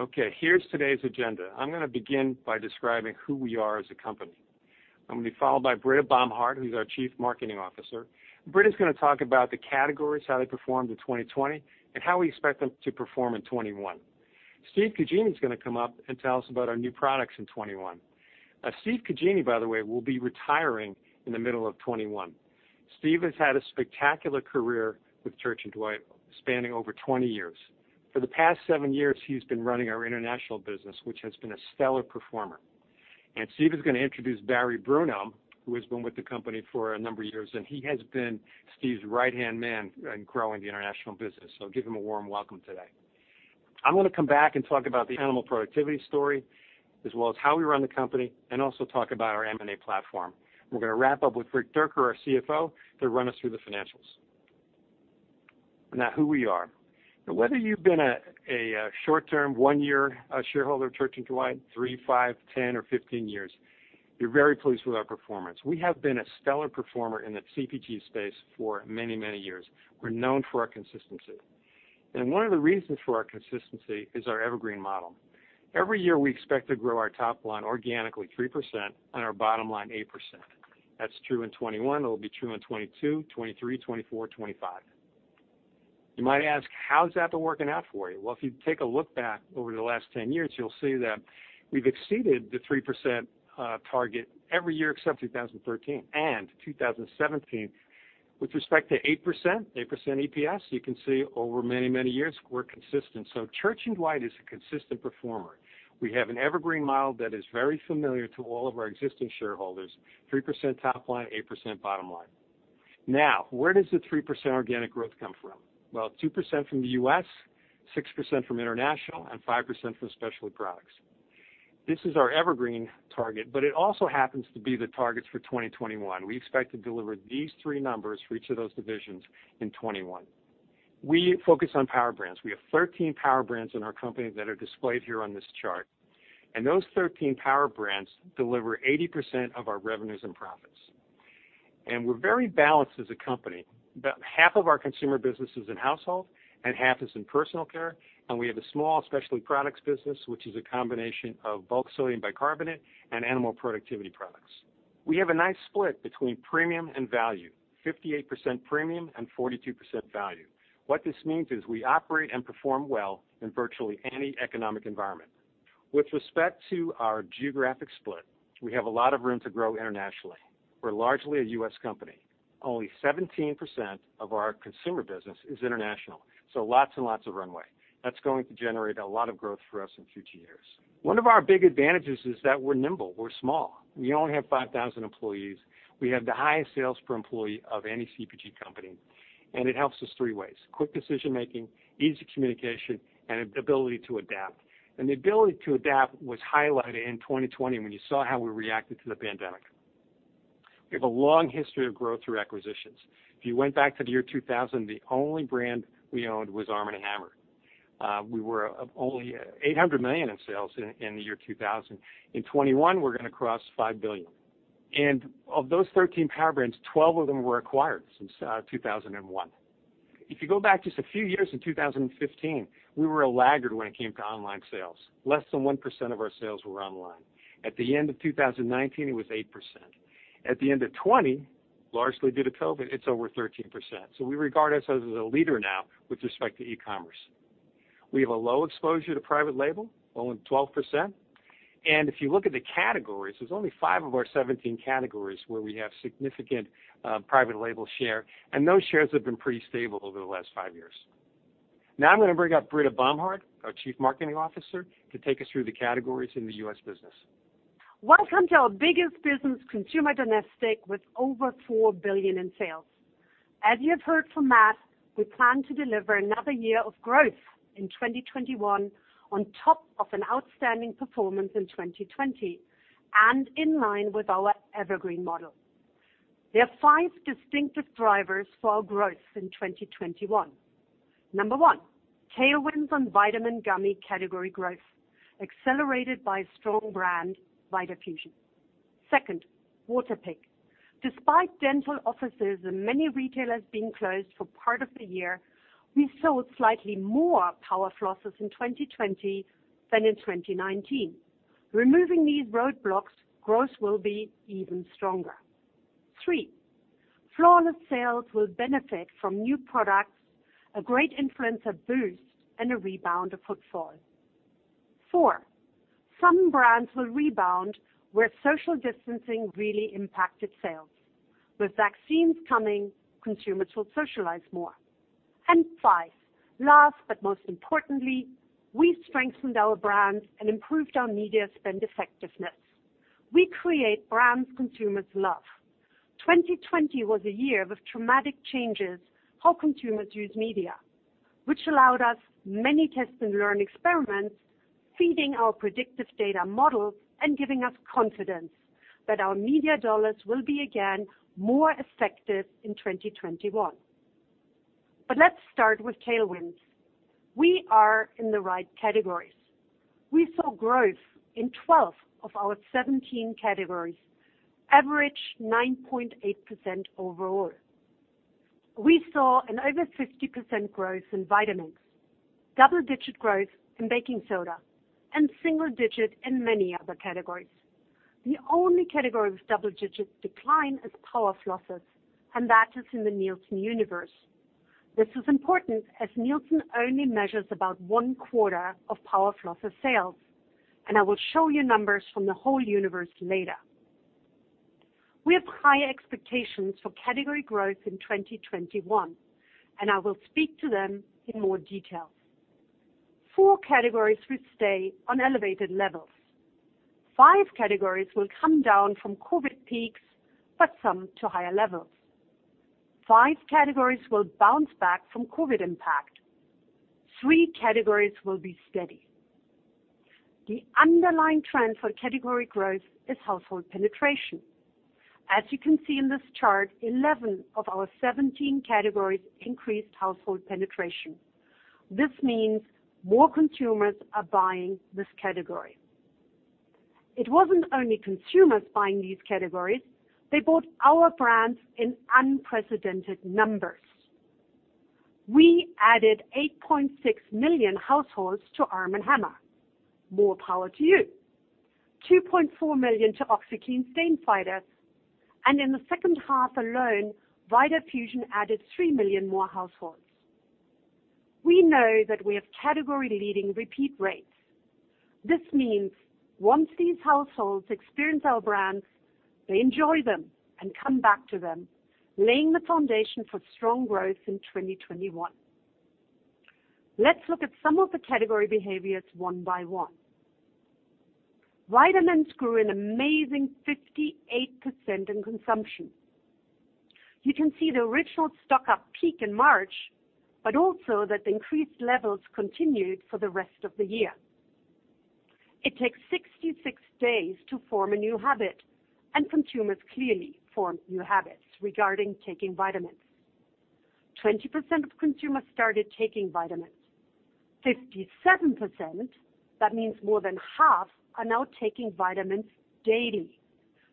Okay, here's today's agenda. I'm going to begin by describing who we are as a company. I'm going to be followed by Britta Bomhard, who's our Chief Marketing Officer. Britta's going to talk about the categories, how they performed in 2020, and how we expect them to perform in 2021. Steve Cugini's going to come up and tell us about our new products in 2021. Steve Cugini, by the way, will be retiring in the middle of 2021. Steve has had a spectacular career with Church & Dwight, spanning over 20 years. For the past seven years, he's been running our international business, which has been a stellar performer. Steve is going to introduce Barry Bruno, who has been with the company for a number of years, and he has been Steve's right-hand man in growing the international business. Give him a warm welcome today. I'm going to come back and talk about the animal productivity story, as well as how we run the company, and also talk about our M&A platform. We're going to wrap up with Rick Dierker, our CFO, to run us through the financials. Now, who we are. Now, whether you've been a short-term, one-year shareholder of Church & Dwight, three, five, ten, or fifteen years, you're very pleased with our performance. We have been a stellar performer in the CPG space for many, many years. We're known for our consistency. One of the reasons for our consistency is our evergreen model. Every year we expect to grow our top line organically 3% and our bottom line 8%. That's true in 2021. It'll be true in 2022, 2023, 2024, 2025. You might ask, how's that been working out for you? If you take a look back over the last ten years, you'll see that we've exceeded the 3% target every year except 2013 and 2017. With respect to 8% EPS, you can see over many, many years we're consistent. Church & Dwight is a consistent performer. We have an evergreen model that is very familiar to all of our existing shareholders: 3% top line, 8% bottom line. Now, where does the 3% organic growth come from? 2% from the U.S., 6% from international, and 5% from specialty products. This is our evergreen target, but it also happens to be the targets for 2021. We expect to deliver these three numbers for each of those divisions in 2021. We focus on power brands. We have 13 power brands in our company that are displayed here on this chart. Those 13 power brands deliver 80% of our revenues and profits. We are very balanced as a company. About half of our consumer business is in household, and half is in personal care. We have a small specialty products business, which is a combination of bulk sodium bicarbonate and animal productivity products. We have a nice split between premium and value: 58% premium and 42% value. What this means is we operate and perform well in virtually any economic environment. With respect to our geographic split, we have a lot of room to grow internationally. We are largely a U.S. company. Only 17% of our consumer business is international, so lots and lots of runway. That is going to generate a lot of growth for us in future years. One of our big advantages is that we are nimble. We are small. We only have 5,000 employees. We have the highest sales per employee of any CPG company. It helps us three ways: quick decision-making, easy communication, and ability to adapt. The ability to adapt was highlighted in 2020 when you saw how we reacted to the pandemic. We have a long history of growth through acquisitions. If you went back to the year 2000, the only brand we owned was Arm & Hammer. We were only $800 million in sales in the year 2000. In 2021, we're going to cross $5 billion. Of those 13 power brands, 12 of them were acquired since 2001. If you go back just a few years, in 2015, we were a laggard when it came to online sales. Less than 1% of our sales were online. At the end of 2019, it was 8%. At the end of 2020, largely due to COVID, it's over 13%. We regard ourselves as a leader now with respect to e-commerce. We have a low exposure to private label, only 12%. If you look at the categories, there are only five of our 17 categories where we have significant private label share. Those shares have been pretty stable over the last five years. Now I'm going to bring up Britta Bomhard, our Chief Marketing Officer, to take us through the categories in the U.S. business. Welcome to our biggest business, consumer domestic, with over $4 billion in sales. As you've heard from Matt, we plan to deliver another year of growth in 2021 on top of an outstanding performance in 2020, and in line with our evergreen model. There are five distinctive drivers for our growth in 2021. Number one, tailwinds on vitamin gummy category growth, accelerated by a strong brand, VitaFusion. Second, Waterpik. Despite dental offices and many retailers being closed for part of the year, we sold slightly more power flossers in 2020 than in 2019. Removing these roadblocks, growth will be even stronger. Three, Flawless sales will benefit from new products, a great influencer boost, and a rebound of footfall. Four, some brands will rebound where social distancing really impacted sales. With vaccines coming, consumers will socialize more. Five, last but most importantly, we have strengthened our brands and improved our media spend effectiveness. We create brands consumers love. 2020 was a year of traumatic changes in how consumers use media, which allowed us many test and learn experiments, feeding our predictive data models and giving us confidence that our media dollars will be again more effective in 2021. Let's start with tailwinds. We are in the right categories. We saw growth in 12 of our 17 categories, average 9.8% overall. We saw an over 50% growth in vitamins, double-digit growth in baking soda, and single-digit in many other categories. The only category with double-digit decline is power flossers, and that is in the Nielsen universe. This is important as Nielsen only measures about one quarter of power flosser sales, and I will show you numbers from the whole universe later. We have high expectations for category growth in 2021, and I will speak to them in more detail. Four categories will stay on elevated levels. Five categories will come down from COVID peaks, but some to higher levels. Five categories will bounce back from COVID impact. Three categories will be steady. The underlying trend for category growth is household penetration. As you can see in this chart, 11 of our 17 categories increased household penetration. This means more consumers are buying this category. It was not only consumers buying these categories. They bought our brands in unprecedented numbers. We added 8.6 million households to Arm & Hammer. More power to you. 2.4 million to OxiClean stain fighters. In the second half alone, VitaFusion added 3 million more households. We know that we have category-leading repeat rates. This means once these households experience our brands, they enjoy them and come back to them, laying the foundation for strong growth in 2021. Let's look at some of the category behaviors one by one. Vitamins grew an amazing 58% in consumption. You can see the original stock-up peak in March, but also that the increased levels continued for the rest of the year. It takes 66 days to form a new habit, and consumers clearly form new habits regarding taking vitamins. 20% of consumers started taking vitamins. 57%, that means more than half, are now taking vitamins daily.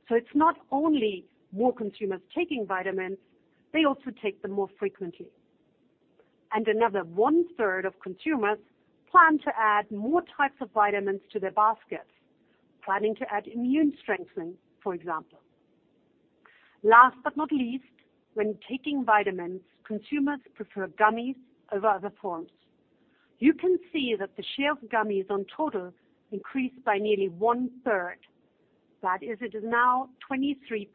It is not only more consumers taking vitamins, they also take them more frequently. Another one-third of consumers plan to add more types of vitamins to their baskets, planning to add immune strengthening, for example. Last but not least, when taking vitamins, consumers prefer gummies over other forms. You can see that the share of gummies on total increased by nearly one-third. That is, it is now 23%.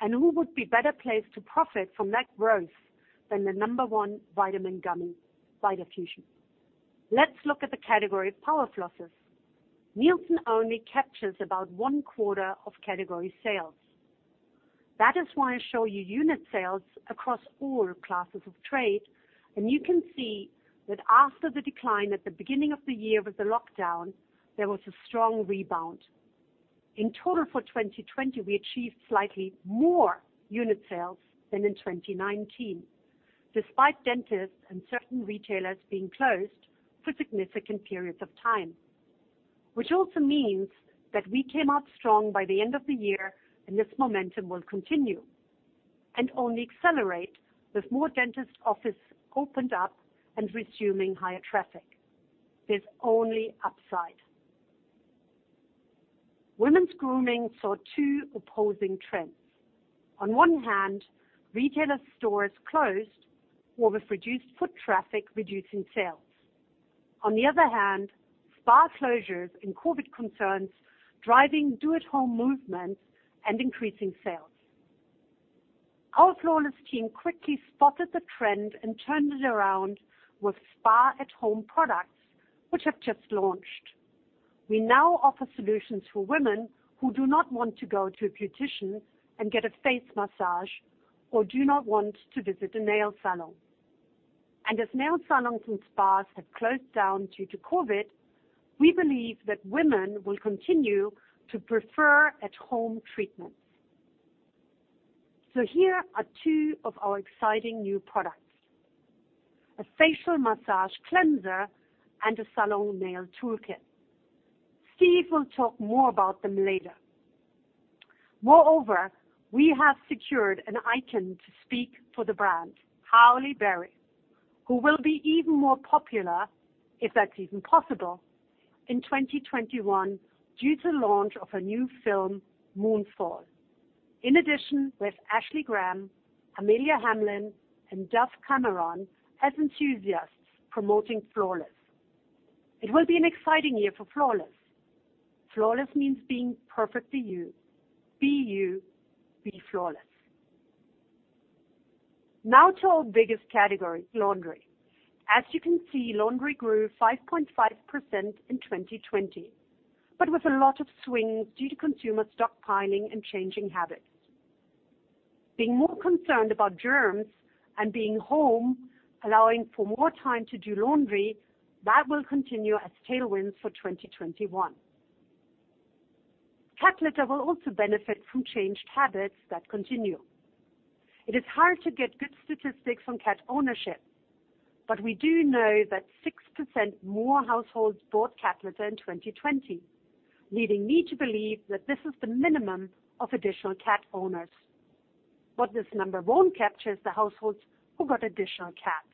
And who would be better placed to profit from that growth than the number one vitamin gummy, VitaFusion? Let's look at the category of power flossers. Nielsen only captures about one quarter of category sales. That is why I show you unit sales across all classes of trade, and you can see that after the decline at the beginning of the year with the lockdown, there was a strong rebound. In total for 2020, we achieved slightly more unit sales than in 2019, despite dentists and certain retailers being closed for significant periods of time. Which also means that we came out strong by the end of the year, and this momentum will continue and only accelerate with more dentist offices opened up and resuming higher traffic. There's only upside. Women's grooming saw two opposing trends. On one hand, retailer stores closed or with reduced foot traffic, reducing sales. On the other hand, spa closures and COVID concerns driving do-it-home movements and increasing sales. Our Flawless team quickly spotted the trend and turned it around with spa at-home products, which have just launched. We now offer solutions for women who do not want to go to a beautician and get a face massage or do not want to visit a nail salon. As nail salons and spas have closed down due to COVID, we believe that women will continue to prefer at-home treatments. Here are two of our exciting new products: a facial massage cleanser and a salon nail toolkit. Steve will talk more about them later. Moreover, we have secured an icon to speak for the brand, Halle Berry, who will be even more popular, if that's even possible, in 2021 due to the launch of her new film, Moonfall. In addition, we have Ashley Graham, Amelia Hamlin, and Dove Cameron as enthusiasts promoting Flawless. It will be an exciting year for Flawless. Flawless means being perfectly you. Be you. Be flawless. Now to our biggest category, laundry. As you can see, laundry grew 5.5% in 2020, but with a lot of swings due to consumer stockpiling and changing habits. Being more concerned about germs and being home, allowing for more time to do laundry, that will continue as tailwinds for 2021. Cat litter will also benefit from changed habits that continue. It is hard to get good statistics on cat ownership, but we do know that 6% more households bought cat litter in 2020, leading me to believe that this is the minimum of additional cat owners. This number will not capture the households who got additional cats.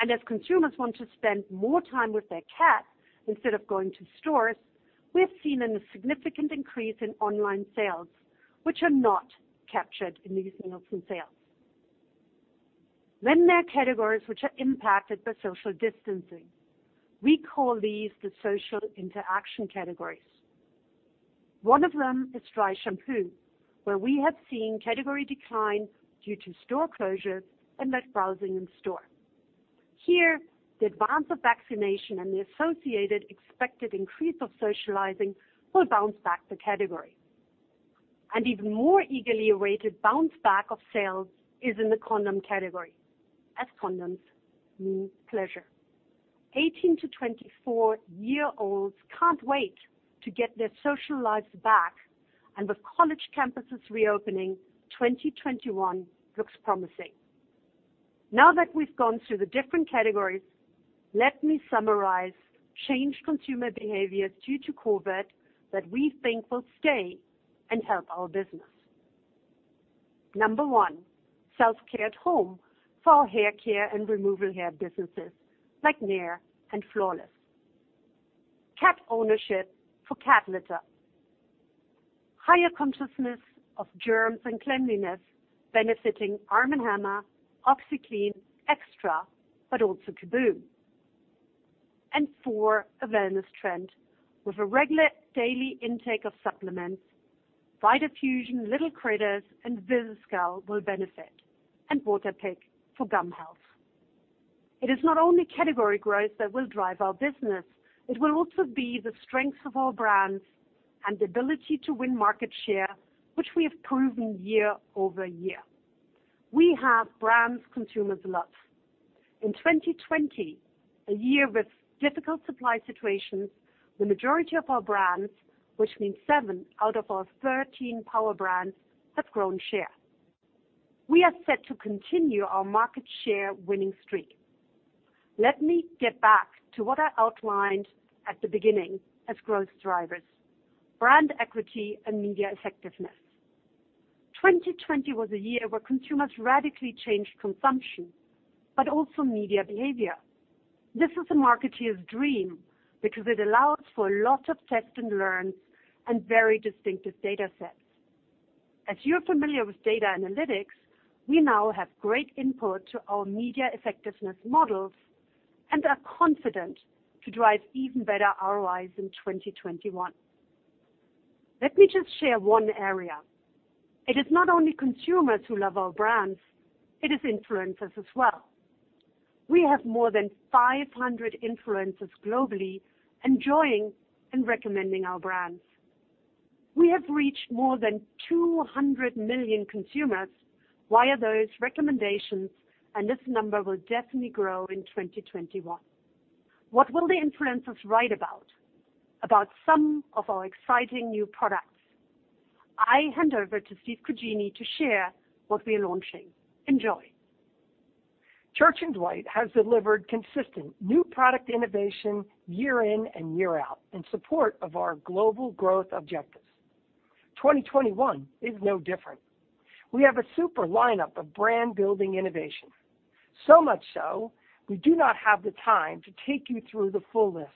As consumers want to spend more time with their cats instead of going to stores, we have seen a significant increase in online sales, which are not captured in these Nielsen sales. There are categories which are impacted by social distancing. We call these the social interaction categories. One of them is dry shampoo, where we have seen category decline due to store closures and less browsing in store. Here, the advance of vaccination and the associated expected increase of socializing will bounce back the category. Even more eagerly awaited bounce back of sales is in the condom category, as condoms mean pleasure. Eighteen to twenty-four-year-olds cannot wait to get their social lives back, and with college campuses reopening, 2021 looks promising. Now that we have gone through the different categories, let me summarize changed consumer behaviors due to COVID that we think will stay and help our business. Number one, self-care at home for our hair care and hair removal businesses like Nair and Flawless. Cat ownership for cat litter, higher consciousness of germs and cleanliness benefiting Arm & Hammer, OxiClean, XTRA, but also Kaboom. Number four, a wellness trend. With a regular daily intake of supplements, VitaFusion, L'il Critters, and Zicam will benefit, and WATERPIK for gum health. It is not only category growth that will drive our business. It will also be the strength of our brands and the ability to win market share, which we have proven year-over-year. We have brands consumers love. In 2020, a year with difficult supply situations, the majority of our brands, which means 7 out of our 13 power brands, have grown share. We are set to continue our market share winning streak. Let me get back to what I outlined at the beginning as growth drivers: brand equity and media effectiveness. 2020 was a year where consumers radically changed consumption, but also media behavior. This is a marketeer's dream because it allows for a lot of test and learn and very distinctive data sets. As you're familiar with data analytics, we now have great input to our media effectiveness models and are confident to drive even better ROIs in 2021. Let me just share one area. It is not only consumers who love our brands. It is influencers as well. We have more than 500 influencers globally enjoying and recommending our brands. We have reached more than 200 million consumers. Why are those recommendations? This number will definitely grow in 2021. What will the influencers write about? About some of our exciting new products. I hand over to Steve Cugini to share what we are launching. Enjoy. Church & Dwight has delivered consistent new product innovation year in and year out in support of our global growth objectives. 2021 is no different. We have a super lineup of brand-building innovation. So much so, we do not have the time to take you through the full list,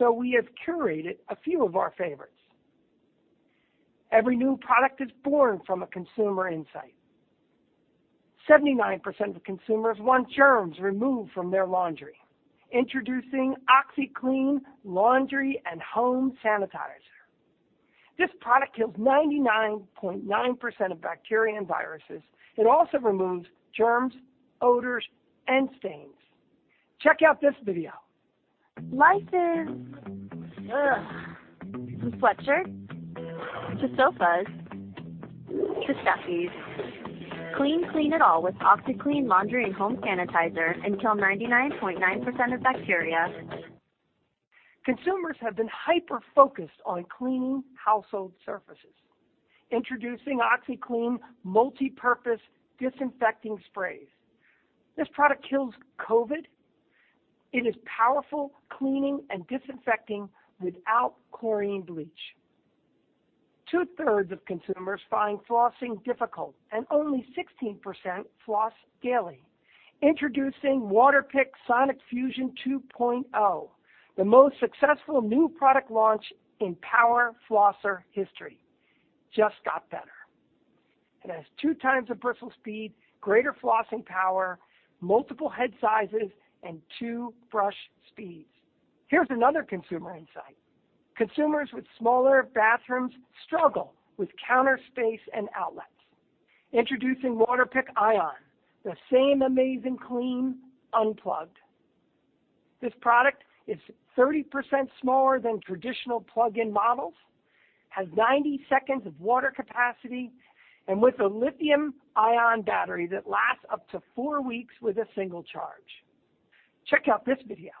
so we have curated a few of our favorites. Every new product is born from a consumer insight. 79% of consumers want germs removed from their laundry. Introducing OxiClean Laundry & Home Sanitizer. This product kills 99.9% of bacteria and viruses. It also removes germs, odors, and stains. Check out this video. License. Ugh. From sweatshirts to sofas to stuffies. Clean, clean it all with OxiClean Laundry & Home Sanitizer and kill 99.9% of bacteria. Consumers have been hyper-focused on cleaning household surfaces. Introducing OxiClean Multi-Purpose Disinfecting Sprays. This product kills COVID. It is powerful cleaning and disinfecting without chlorine bleach. Two-thirds of consumers find flossing difficult, and only 16% floss daily. Introducing Waterpik Sonic Fusion 2.0, the most successful new product launch in power flosser history. Just got better. It has two times the bristle speed, greater flossing power, multiple head sizes, and two brush speeds. Here's another consumer insight. Consumers with smaller bathrooms struggle with counter space and outlets. Introducing Waterpik Ion, the same amazing clean unplugged. This product is 30% smaller than traditional plug-in models, has 90 seconds of water capacity, and with a lithium-ion battery that lasts up to four weeks with a single charge. Check out this video.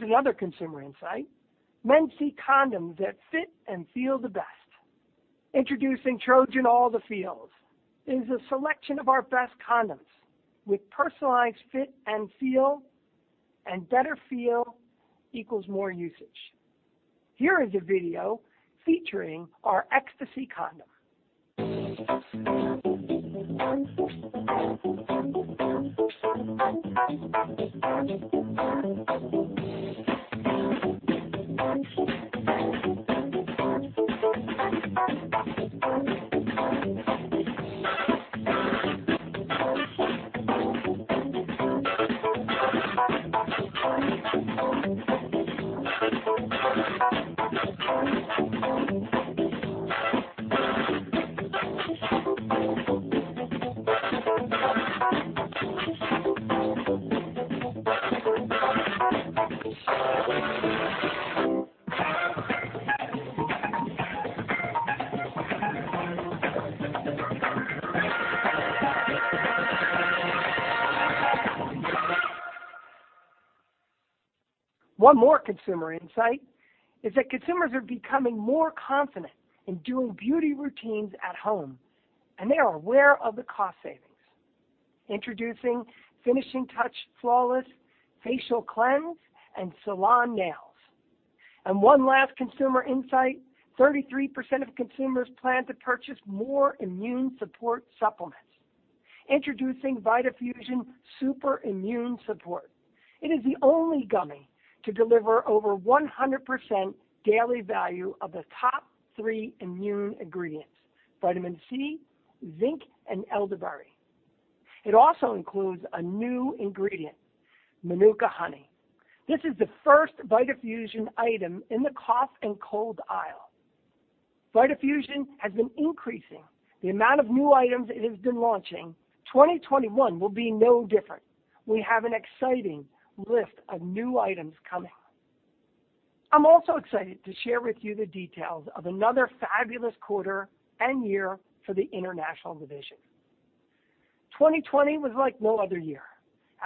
Here's another consumer insight. Men see condoms that fit and feel the best. Introducing Trojan All the Feels. It is a selection of our best condoms with personalized fit and feel, and better feel equals more usage. Here is a video featuring our Ecstasy condom. One more consumer insight is that consumers are becoming more confident in doing beauty routines at home, and they are aware of the cost savings. Introducing Finishing Touch Flawless Facial Cleanse and Salon Nails. One last consumer insight: 33% of consumers plan to purchase more immune support supplements. Introducing VitaFusion Super Immune Support. It is the only gummy to deliver over 100% daily value of the top three immune ingredients: vitamin C, zinc, and elderberry. It also includes a new ingredient: Manuka Honey. This is the first VitaFusion item in the cough and cold aisle. VitaFusion has been increasing the amount of new items it has been launching. 2021 will be no different. We have an exciting list of new items coming. I'm also excited to share with you the details of another fabulous quarter and year for the international division. 2020 was like no other year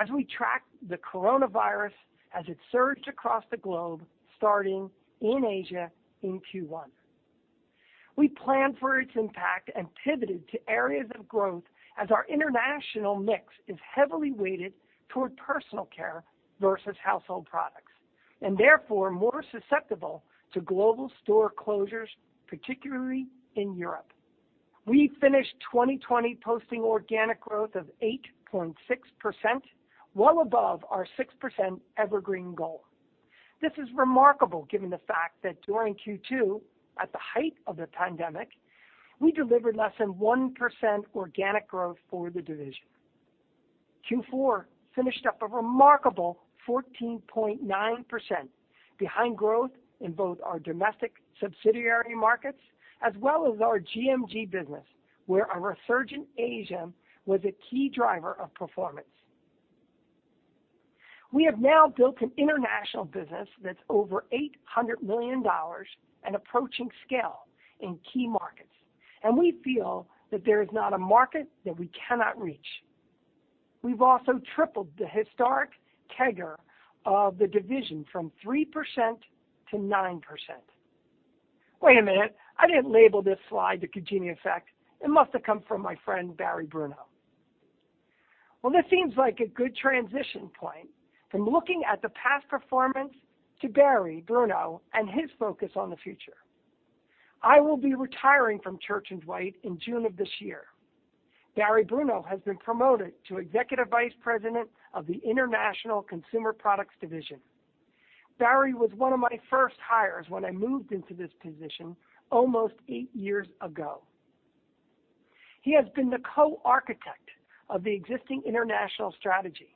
as we tracked the coronavirus as it surged across the globe, starting in Asia in Q1. We planned for its impact and pivoted to areas of growth as our international mix is heavily weighted toward personal care versus household products and therefore more susceptible to global store closures, particularly in Europe. We finished 2020 posting organic growth of 8.6%, well above our 6% evergreen goal. This is remarkable given the fact that during Q2, at the height of the pandemic, we delivered less than 1% organic growth for the division. Q4 finished up a remarkable 14.9% behind growth in both our domestic subsidiary markets as well as our GMG business, where our resurgent Asia was a key driver of performance. We have now built an international business that's over $800 million and approaching scale in key markets, and we feel that there is not a market that we cannot reach. We've also tripled the historic CAGR of the division from 3% to 9%. Wait a minute. I didn't label this slide the Cugini Effect. It must have come from my friend Barry Bruno. This seems like a good transition point from looking at the past performance to Barry Bruno and his focus on the future. I will be retiring from Church & Dwight in June of this year. Barry Bruno has been promoted to Executive Vice President of the International Consumer Products Division. Barry was one of my first hires when I moved into this position almost eight years ago. He has been the co-architect of the existing international strategy.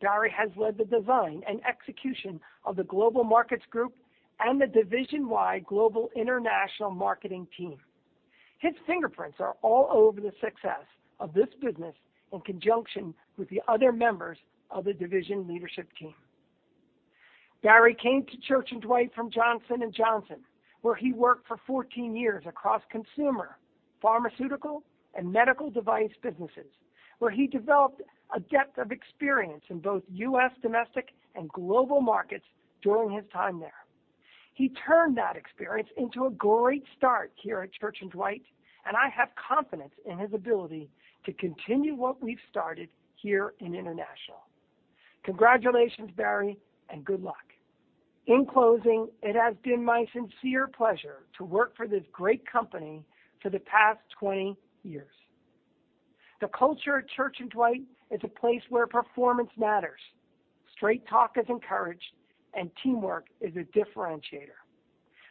Barry has led the design and execution of the Global Markets Group and the division-wide Global International Marketing Team. His fingerprints are all over the success of this business in conjunction with the other members of the division leadership team. Barry came to Church & Dwight from Johnson & Johnson, where he worked for 14 years across consumer, pharmaceutical, and medical device businesses, where he developed a depth of experience in both U.S. domestic and global markets during his time there. He turned that experience into a great start here at Church & Dwight, and I have confidence in his ability to continue what we've started here in international. Congratulations, Barry, and good luck. In closing, it has been my sincere pleasure to work for this great company for the past 20 years. The culture at Church & Dwight is a place where performance matters. Straight talk is encouraged, and teamwork is a differentiator.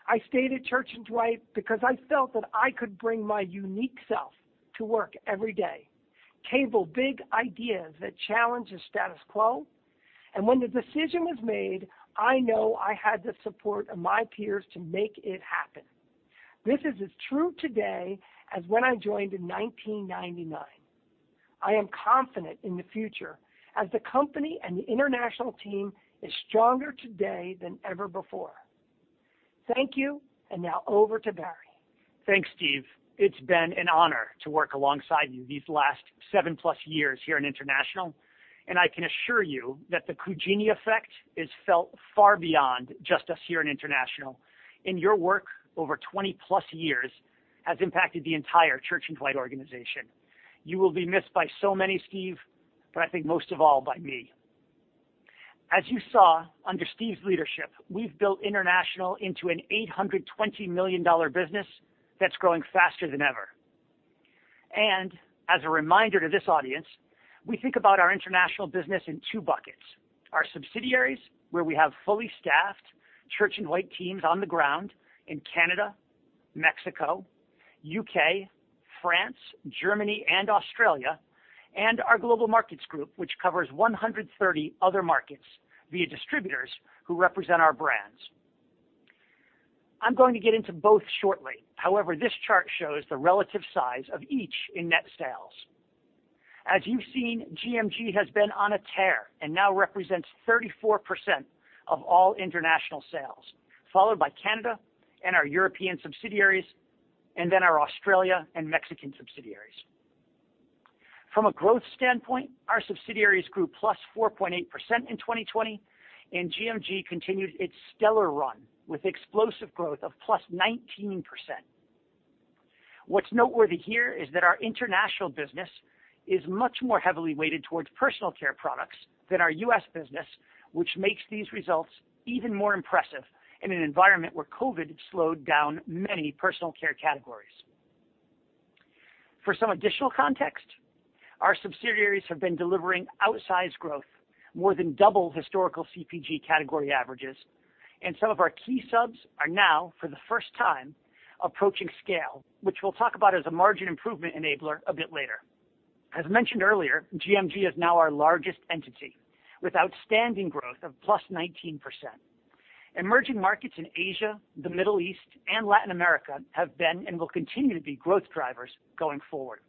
I stayed at Church & Dwight because I felt that I could bring my unique self to work every day, cable big ideas that challenge the status quo, and when the decision was made, I know I had the support of my peers to make it happen. This is as true today as when I joined in 1999. I am confident in the future as the company and the international team is stronger today than ever before. Thank you, and now over to Barry. Thanks, Steve. It's been an honor to work alongside you these last seven-plus years here in international, and I can assure you that the Cugini Effect is felt far beyond just us here in international. In your work, over 20+ years has impacted the entire Church & Dwight organization. You will be missed by so many, Steve, but I think most of all by me. As you saw under Steve's leadership, we've built international into an $820 million business that's growing faster than ever. As a reminder to this audience, we think about our international business in two buckets: our subsidiaries, where we have fully staffed Church & Dwight teams on the ground in Canada, Mexico, U.K., France, Germany, and Australia, and our Global Markets Group, which covers 130 other markets via distributors who represent our brands. I'm going to get into both shortly. However, this chart shows the relative size of each in net sales. As you've seen, GMG has been on a tear and now represents 34% of all international sales, followed by Canada and our European subsidiaries, and then our Australia and Mexican subsidiaries. From a growth standpoint, our subsidiaries grew +4.8% in 2020, and GMG continued its stellar run with explosive growth of +19%. What's noteworthy here is that our international business is much more heavily weighted towards personal care products than our U.S. business, which makes these results even more impressive in an environment where COVID slowed down many personal care categories. For some additional context, our subsidiaries have been delivering outsized growth, more than double historical CPG category averages, and some of our key subs are now, for the first time, approaching scale, which we'll talk about as a margin improvement enabler a bit later. As mentioned earlier, GMG is now our largest entity with outstanding growth of +19%. Emerging markets in Asia, the Middle East, and Latin America have been and will continue to be growth drivers going forward.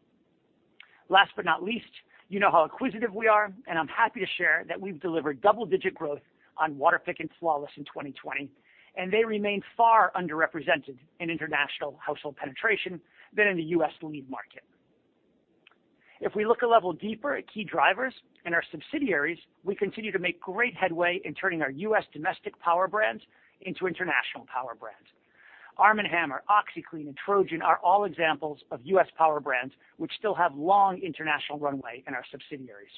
Last but not least, you know how acquisitive we are, and I'm happy to share that we've delivered double-digit growth on Waterpik and Flawless in 2020, and they remain far underrepresented in international household penetration than in the U.S. lead market. If we look a level deeper at key drivers and our subsidiaries, we continue to make great headway in turning our U.S. domestic power brands into international power brands. Arm & Hammer, OxiClean, and Trojan are all examples of U.S. power brands which still have long international runway in our subsidiaries.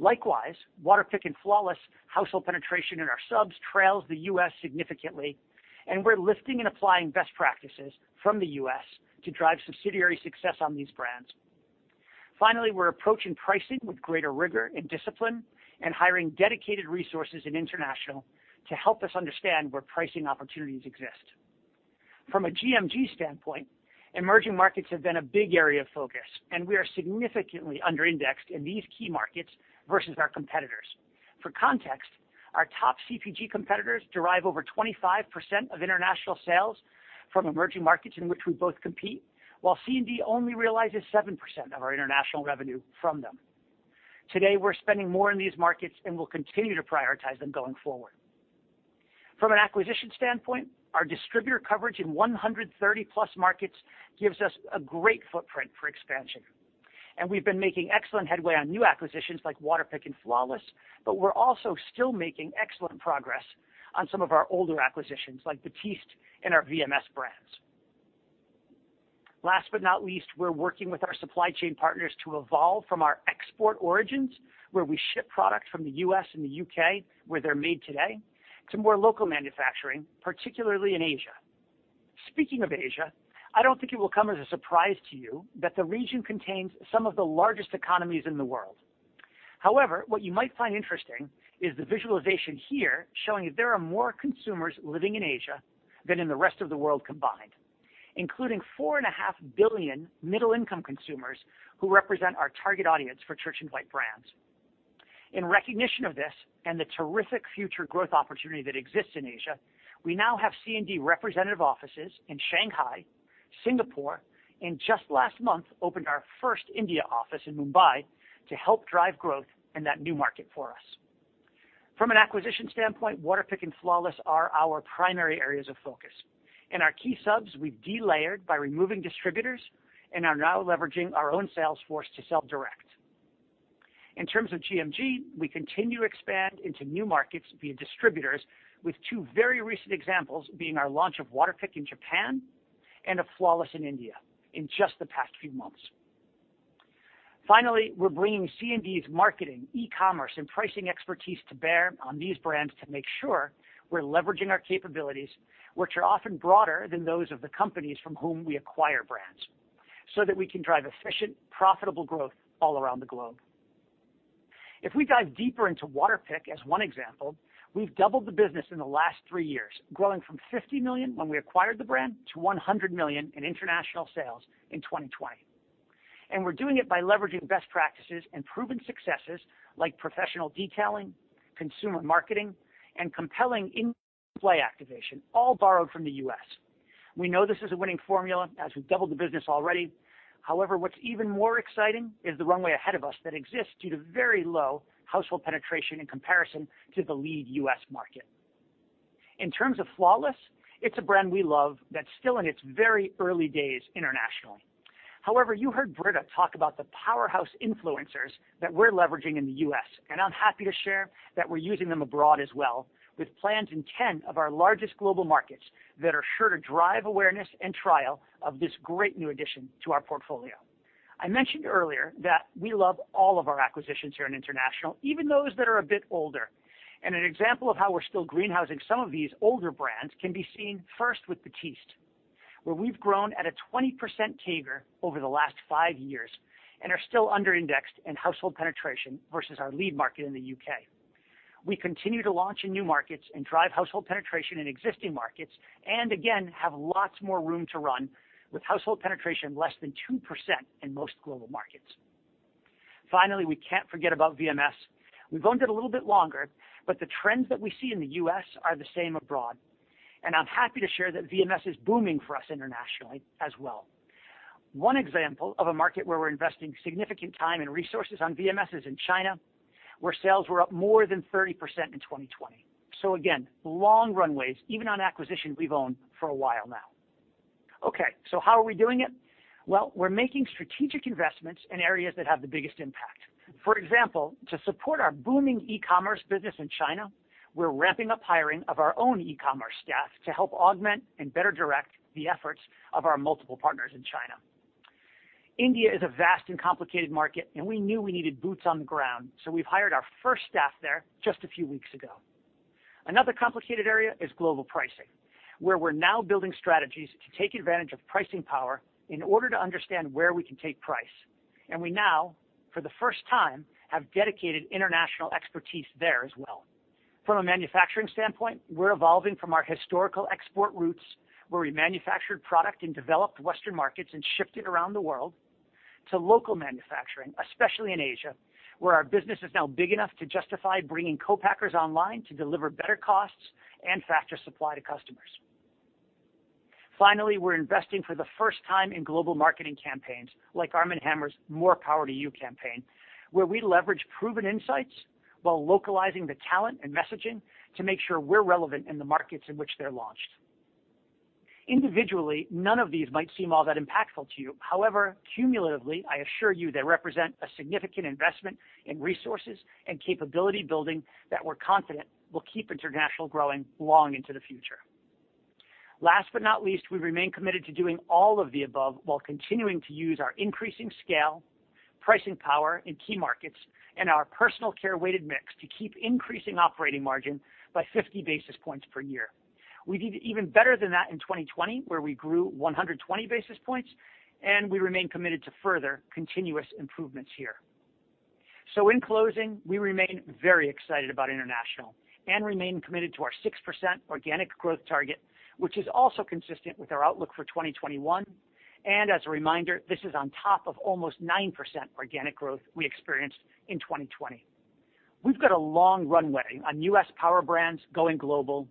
Likewise, Waterpik and Flawless' household penetration in our subs trails the U.S. significantly, and we're lifting and applying best practices from the U.S. to drive subsidiary success on these brands. Finally, we're approaching pricing with greater rigor and discipline and hiring dedicated resources in international to help us understand where pricing opportunities exist. From a GMG standpoint, emerging markets have been a big area of focus, and we are significantly underindexed in these key markets versus our competitors. For context, our top CPG competitors derive over 25% of international sales from emerging markets in which we both compete, while C&D only realizes 7% of our international revenue from them. Today, we're spending more in these markets and will continue to prioritize them going forward. From an acquisition standpoint, our distributor coverage in 130+ markets gives us a great footprint for expansion, and we've been making excellent headway on new acquisitions like Waterpik and Flawless, but we're also still making excellent progress on some of our older acquisitions like Batiste and our VMS brands. Last but not least, we're working with our supply chain partners to evolve from our export origins, where we ship product from the U.S. and the U.K., where they're made today, to more local manufacturing, particularly in Asia. Speaking of Asia, I don't think it will come as a surprise to you that the region contains some of the largest economies in the world. However, what you might find interesting is the visualization here showing that there are more consumers living in Asia than in the rest of the world combined, including 4.5 billion middle-income consumers who represent our target audience for Church & Dwight brands. In recognition of this and the terrific future growth opportunity that exists in Asia, we now have C&D representative offices in Shanghai, Singapore, and just last month opened our first India office in Mumbai to help drive growth in that new market for us. From an acquisition standpoint, Waterpik and Flawless are our primary areas of focus, and our key subs we've delayered by removing distributors and are now leveraging our own sales force to sell direct. In terms of GMG, we continue to expand into new markets via distributors, with two very recent examples being our launch of Waterpik in Japan and of Flawless in India in just the past few months. Finally, we're bringing C&D's marketing, e-commerce, and pricing expertise to bear on these brands to make sure we're leveraging our capabilities, which are often broader than those of the companies from whom we acquire brands, so that we can drive efficient, profitable growth all around the globe. If we dive deeper into Waterpik as one example, we've doubled the business in the last three years, growing from $50 million when we acquired the brand to $100 million in international sales in 2020, and we're doing it by leveraging best practices and proven successes like professional detailing, consumer marketing, and compelling in-store activation, all borrowed from the U.S. We know this is a winning formula as we've doubled the business already. However, what's even more exciting is the runway ahead of us that exists due to very low household penetration in comparison to the lead U.S. market. In terms of Flawless, it's a brand we love that's still in its very early days internationally. However, you heard Britta talk about the powerhouse influencers that we're leveraging in the U.S., and I'm happy to share that we're using them abroad as well with plans in 10 of our largest global markets that are sure to drive awareness and trial of this great new addition to our portfolio. I mentioned earlier that we love all of our acquisitions here in international, even those that are a bit older, and an example of how we're still greenhousing some of these older brands can be seen first with Batiste, where we've grown at a 20% CAGR over the last five years and are still underindexed in household penetration versus our lead market in the U.K. We continue to launch in new markets and drive household penetration in existing markets and, again, have lots more room to run with household penetration less than 2% in most global markets. Finally, we can't forget about VMS. We've owned it a little bit longer, but the trends that we see in the U.S. are the same abroad, and I'm happy to share that VMS is booming for us internationally as well. One example of a market where we're investing significant time and resources on VMS is in China, where sales were up more than 30% in 2020. Again, long runways, even on acquisitions we've owned for a while now. Okay, how are we doing it? We're making strategic investments in areas that have the biggest impact. For example, to support our booming e-commerce business in China, we're ramping up hiring of our own e-commerce staff to help augment and better direct the efforts of our multiple partners in China. India is a vast and complicated market, and we knew we needed boots on the ground, so we've hired our first staff there just a few weeks ago. Another complicated area is global pricing, where we're now building strategies to take advantage of pricing power in order to understand where we can take price, and we now, for the first time, have dedicated international expertise there as well. From a manufacturing standpoint, we're evolving from our historical export routes, where we manufactured product in developed Western markets and shipped it around the world, to local manufacturing, especially in Asia, where our business is now big enough to justify bringing co-packers online to deliver better costs and faster supply to customers. Finally, we're investing for the first time in global marketing campaigns like Arm & Hammer's More Power to You campaign, where we leverage proven insights while localizing the talent and messaging to make sure we're relevant in the markets in which they're launched. Individually, none of these might seem all that impactful to you. However, cumulatively, I assure you they represent a significant investment in resources and capability building that we're confident will keep international growing long into the future. Last but not least, we remain committed to doing all of the above while continuing to use our increasing scale, pricing power in key markets, and our personal care-weighted mix to keep increasing operating margin by 50 basis points per year. We did even better than that in 2020, where we grew 120 basis points, and we remain committed to further continuous improvements here. In closing, we remain very excited about international and remain committed to our 6% organic growth target, which is also consistent with our outlook for 2021, and as a reminder, this is on top of almost 9% organic growth we experienced in 2020. We have got a long runway on U.S. power brands going global,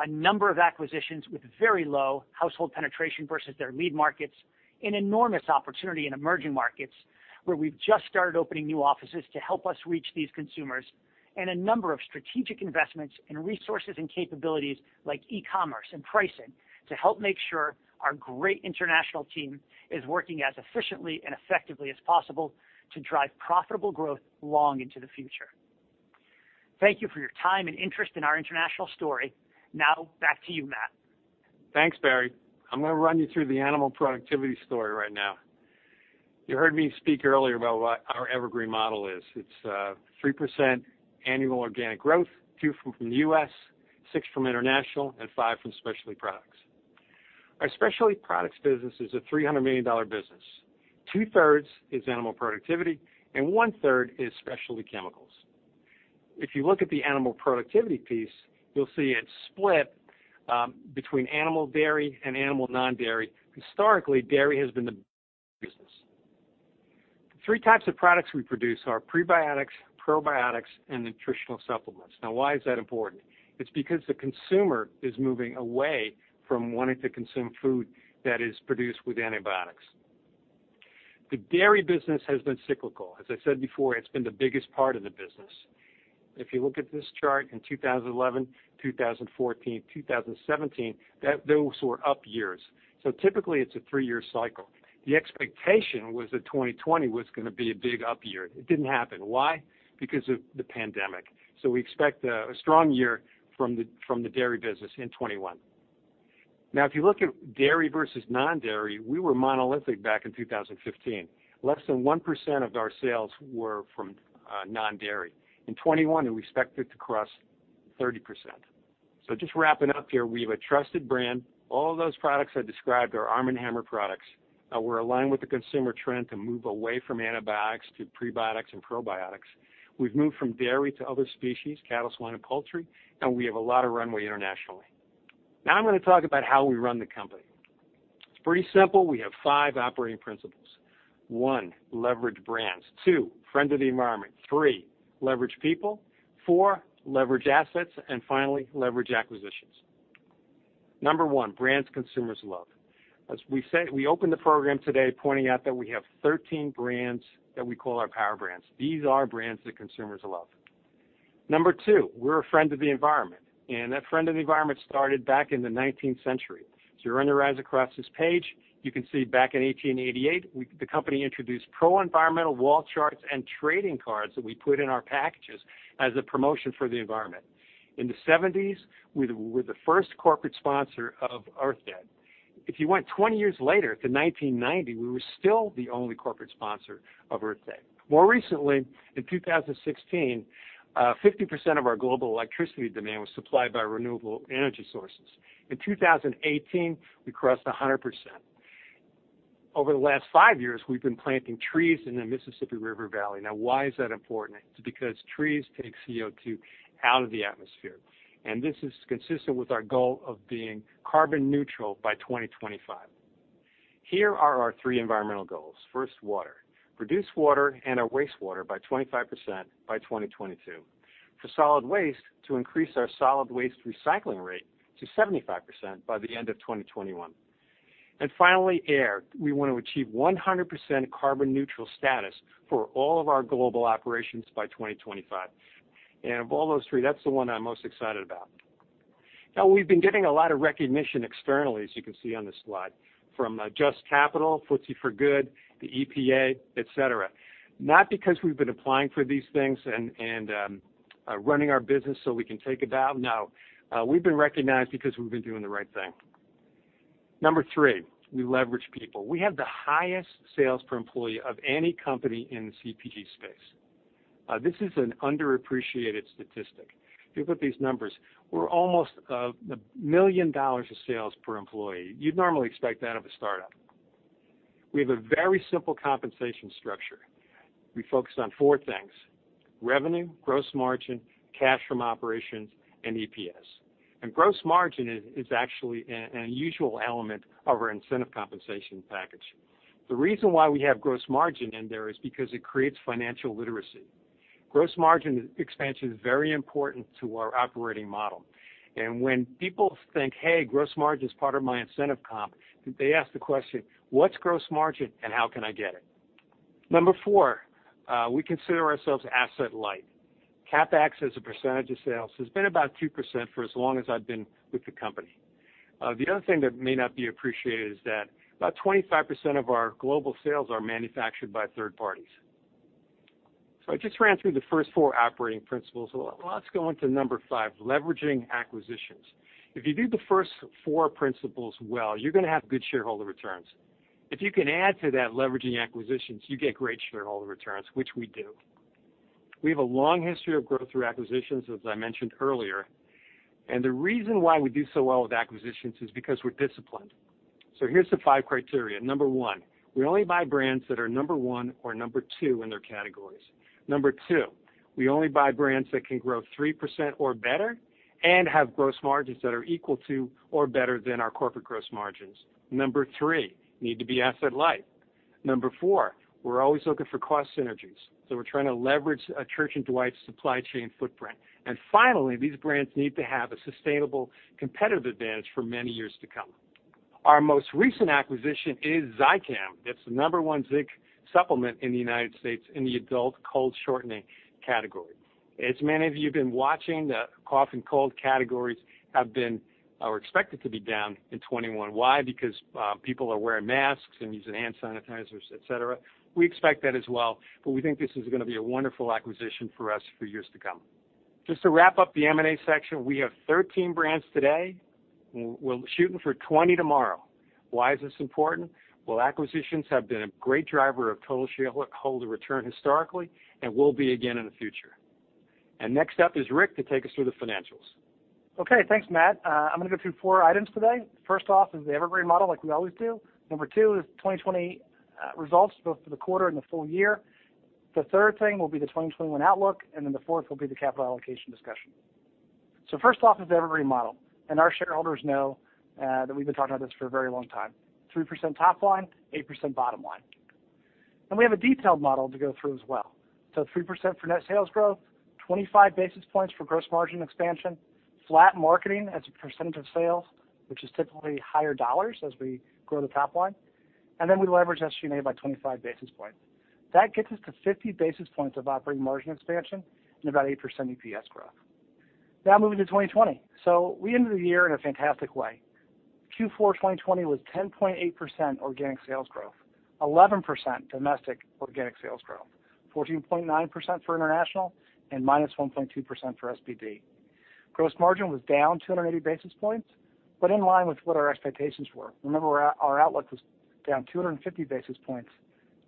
a number of acquisitions with very low household penetration versus their lead markets, an enormous opportunity in emerging markets where we have just started opening new offices to help us reach these consumers, and a number of strategic investments in resources and capabilities like e-commerce and pricing to help make sure our great international team is working as efficiently and effectively as possible to drive profitable growth long into the future. Thank you for your time and interest in our international story. Now, back to you, Matt. Thanks, Barry. I'm going to run you through the animal productivity story right now. You heard me speak earlier about what our Evergreen model is. It's 3% annual organic growth, 2% from the U.S., 6% from international, and 5% from specialty products. Our specialty products business is a $300 million business. Two-thirds is animal productivity, and one-third is specialty chemicals. If you look at the animal productivity piece, you'll see it's split between animal dairy and animal non-dairy. Historically, dairy has been the business. The three types of products we produce are prebiotics, probiotics, and nutritional supplements. Now, why is that important? It's because the consumer is moving away from wanting to consume food that is produced with antibiotics. The dairy business has been cyclical. As I said before, it's been the biggest part of the business. If you look at this chart in 2011, 2014, 2017, those were up years. Typically, it's a three-year cycle. The expectation was that 2020 was going to be a big up year. It did not happen. Why? Because of the pandemic. We expect a strong year from the dairy business in 2021. Now, if you look at dairy versus non-dairy, we were monolithic back in 2015. Less than 1% of our sales were from non-dairy. In 2021, we expected to cross 30%. Just wrapping up here, we have a trusted brand. All of those products I described are Arm & Hammer products. We are aligned with the consumer trend to move away from antibiotics to prebiotics and probiotics. We have moved from dairy to other species, cattle, swine, and poultry, and we have a lot of runway internationally. Now, I am going to talk about how we run the company. It's pretty simple. We have five operating principles. One, leverage brands. Two, friend of the environment. Three, leverage people. Four, leverage assets, and finally, leverage acquisitions. Number one, brands consumers love. As we say, we opened the program today pointing out that we have 13 brands that we call our power brands. These are brands that consumers love. Number two, we're a friend of the environment, and that friend of the environment started back in the 19th century. If you run your eyes across this page, you can see back in 1888, the company introduced pro-environmental wall charts and trading cards that we put in our packages as a promotion for the environment. In the 1970s, we were the first corporate sponsor of Earth Day. If you went 20 years later to 1990, we were still the only corporate sponsor of Earth Day. More recently, in 2016, 50% of our global electricity demand was supplied by renewable energy sources. In 2018, we crossed 100%. Over the last five years, we've been planting trees in the Mississippi River Valley. Now, why is that important? It's because trees take CO2 out of the atmosphere, and this is consistent with our goal of being carbon neutral by 2025. Here are our three environmental goals. First, water. Reduce water and our wastewater by 25% by 2022. For solid waste, to increase our solid waste recycling rate to 75% by the end of 2021. Finally, air. We want to achieve 100% carbon neutral status for all of our global operations by 2025. Of all those three, that's the one I'm most excited about. Now, we've been getting a lot of recognition externally, as you can see on the slide, from Just Capital, FTSE for Good, the EPA, etc. Not because we've been applying for these things and running our business so we can take a bow. No. We've been recognized because we've been doing the right thing. Number three, we leverage people. We have the highest sales per employee of any company in the CPG space. This is an underappreciated statistic. If you look at these numbers, we're almost $1 million of sales per employee. You'd normally expect that of a startup. We have a very simple compensation structure. We focus on four things: revenue, gross margin, cash from operations, and EPS. Gross margin is actually an unusual element of our incentive compensation package. The reason why we have gross margin in there is because it creates financial literacy. Gross margin expansion is very important to our operating model. When people think, "Hey, gross margin is part of my incentive comp," they ask the question, "What's gross margin and how can I get it?" Number four, we consider ourselves asset-light. CapEx as a percentage of sales has been about 2% for as long as I've been with the company. The other thing that may not be appreciated is that about 25% of our global sales are manufactured by third parties. I just ran through the first four operating principles. Let's go on to number five, leveraging acquisitions. If you do the first four principles well, you're going to have good shareholder returns. If you can add to that leveraging acquisitions, you get great shareholder returns, which we do. We have a long history of growth through acquisitions, as I mentioned earlier, and the reason why we do so well with acquisitions is because we're disciplined. Here are the five criteria. Number one, we only buy brands that are number one or number two in their categories. Number two, we only buy brands that can grow 3% or better and have gross margins that are equal to or better than our corporate gross margins. Number three, need to be asset-light. Number four, we're always looking for cost synergies, so we're trying to leverage a Church & Dwight supply chain footprint. Finally, these brands need to have a sustainable competitive advantage for many years to come. Our most recent acquisition is Zicam. It's the number one zinc supplement in the United States in the adult cold shortening category. As many of you have been watching, the cough and cold categories have been or are expected to be down in 2021. Why? Because people are wearing masks and using hand sanitizers, etc. We expect that as well, but we think this is going to be a wonderful acquisition for us for years to come. Just to wrap up the M&A section, we have 13 brands today. We'll shoot for 20 tomorrow. Why is this important? Acquisitions have been a great driver of total shareholder return historically and will be again in the future. Next up is Rick to take us through the financials. Okay, thanks, Matt. I'm going to go through four items today. First off is the Evergreen model like we always do. Number two is 2020 results both for the quarter and the full year. The third thing will be the 2021 outlook, and then the fourth will be the capital allocation discussion. First off is the Evergreen model, and our shareholders know that we've been talking about this for a very long time. 3% top line, 8% bottom line. We have a detailed model to go through as well. 3% for net sales growth, 25 basis points for gross margin expansion, flat marketing as a percentage of sales, which is typically higher dollars as we grow the top line, and then we leverage SG&A by 25 basis points. That gets us to 50 basis points of operating margin expansion and about 8% EPS growth. Now moving to 2020. We ended the year in a fantastic way. Q4 2020 was 10.8% organic sales growth, 11% domestic organic sales growth, 14.9% for international, and -1.2% for SBD. Gross margin was down 280 basis points, but in line with what our expectations were. Remember, our outlook was down 250 basis points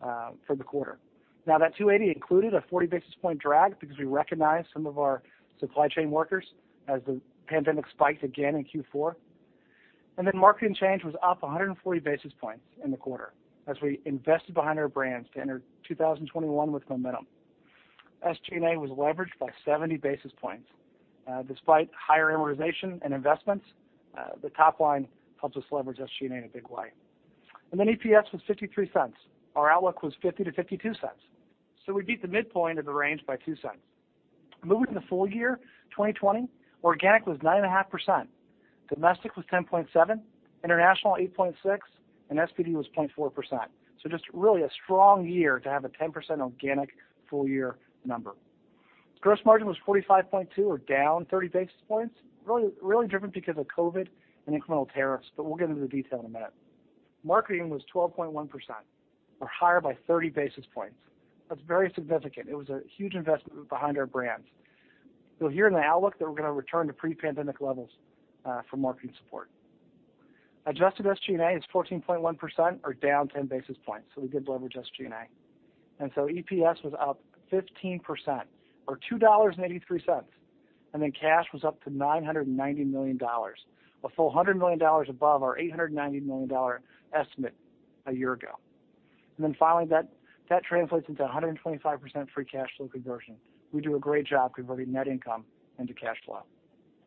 for the quarter. Now, that 280 included a 40 basis point drag because we recognized some of our supply chain workers as the pandemic spiked again in Q4. Marketing change was up 140 basis points in the quarter as we invested behind our brands to enter 2021 with momentum. SG&A was leveraged by 70 basis points. Despite higher amortization and investments, the top line helps us leverage SG&A in a big way. EPS was $0.53. Our outlook was $0.50–$0.52, so we beat the midpoint of the range by $0.02. Moving to the full year, 2020, organic was 9.5%, domestic was 10.7%, international 8.6%, and SBD was 0.4%. Just really a strong year to have a 10% organic full year number. Gross margin was 45.2%, or down 30 basis points. Really driven because of COVID and incremental tariffs, but we'll get into the detail in a minute. Marketing was 12.1%, or higher by 30 basis points. That's very significant. It was a huge investment behind our brands. You'll hear in the outlook that we're going to return to pre-pandemic levels for marketing support. Adjusted SG&A is 14.1%, or down 10 basis points. We did leverage SG&A. EPS was up 15%, or $2.83, and then cash was up to $990 million, a full $100 million above our $890 million estimate a year ago. Finally, that translates into 125% free cash flow conversion. We do a great job converting net income into cash flow.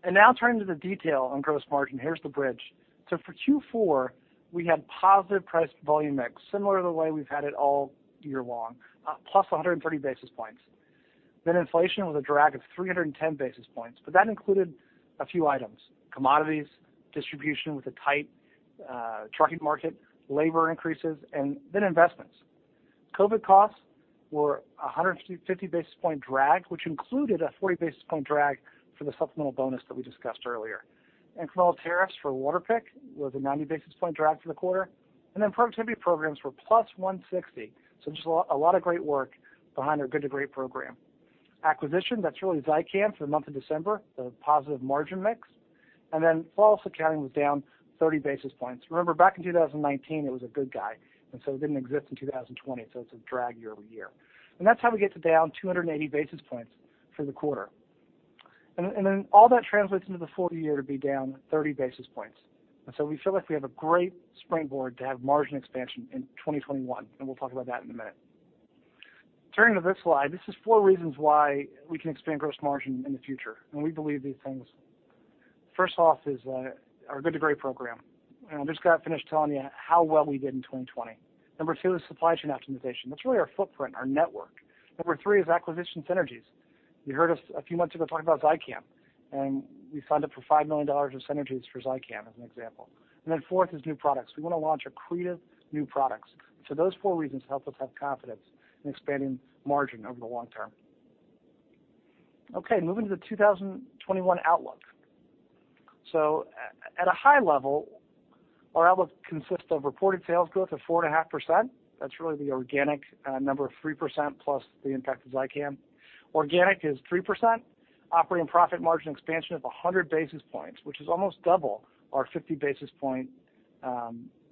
Now turning to the detail on gross margin, here's the bridge. For Q4, we had positive price volume mix, similar to the way we've had it all year long, +130 basis points. Inflation was a drag of 310 basis points, but that included a few items: commodities, distribution with a tight trucking market, labor increases, and then investments. COVID costs were a 150 basis point drag, which included a 40 basis point drag for the supplemental bonus that we discussed earlier. Incremental tariffs for Waterpik was a 90 basis point drag for the quarter. Productivity programs were +160. Just a lot of great work behind our good to great program. Acquisition, that's really Zicam for the month of December, the positive margin mix. Floor sweep Accounting was down 30 basis points. Remember, back in 2019, it was a good guy, and so it did not exist in 2020, so it is a drag year-over-year. That is how we get to down 280 basis points for the quarter. All that translates into the full year to be down 30 basis points. We feel like we have a great springboard to have margin expansion in 2021, and we will talk about that in a minute. Turning to this slide, this is four reasons why we can expand gross margin in the future, and we believe these things. First off is our good to great program. I just got finished telling you how well we did in 2020. Number two is supply chain optimization. That is really our footprint, our network. Number three is acquisition synergies. You heard us a few months ago talk about Zicam, and we signed up for $5 million of synergies for Zicam as an example. Fourth is new products. We want to launch accretive new products. Those four reasons help us have confidence in expanding margin over the long term. Okay, moving to the 2021 outlook. At a high level, our outlook consists of reported sales growth of 4.5%. That's really the organic number of 3% plus the impact of Zicam. Organic is 3%. Operating profit margin expansion of 100 basis points, which is almost double our 50 basis point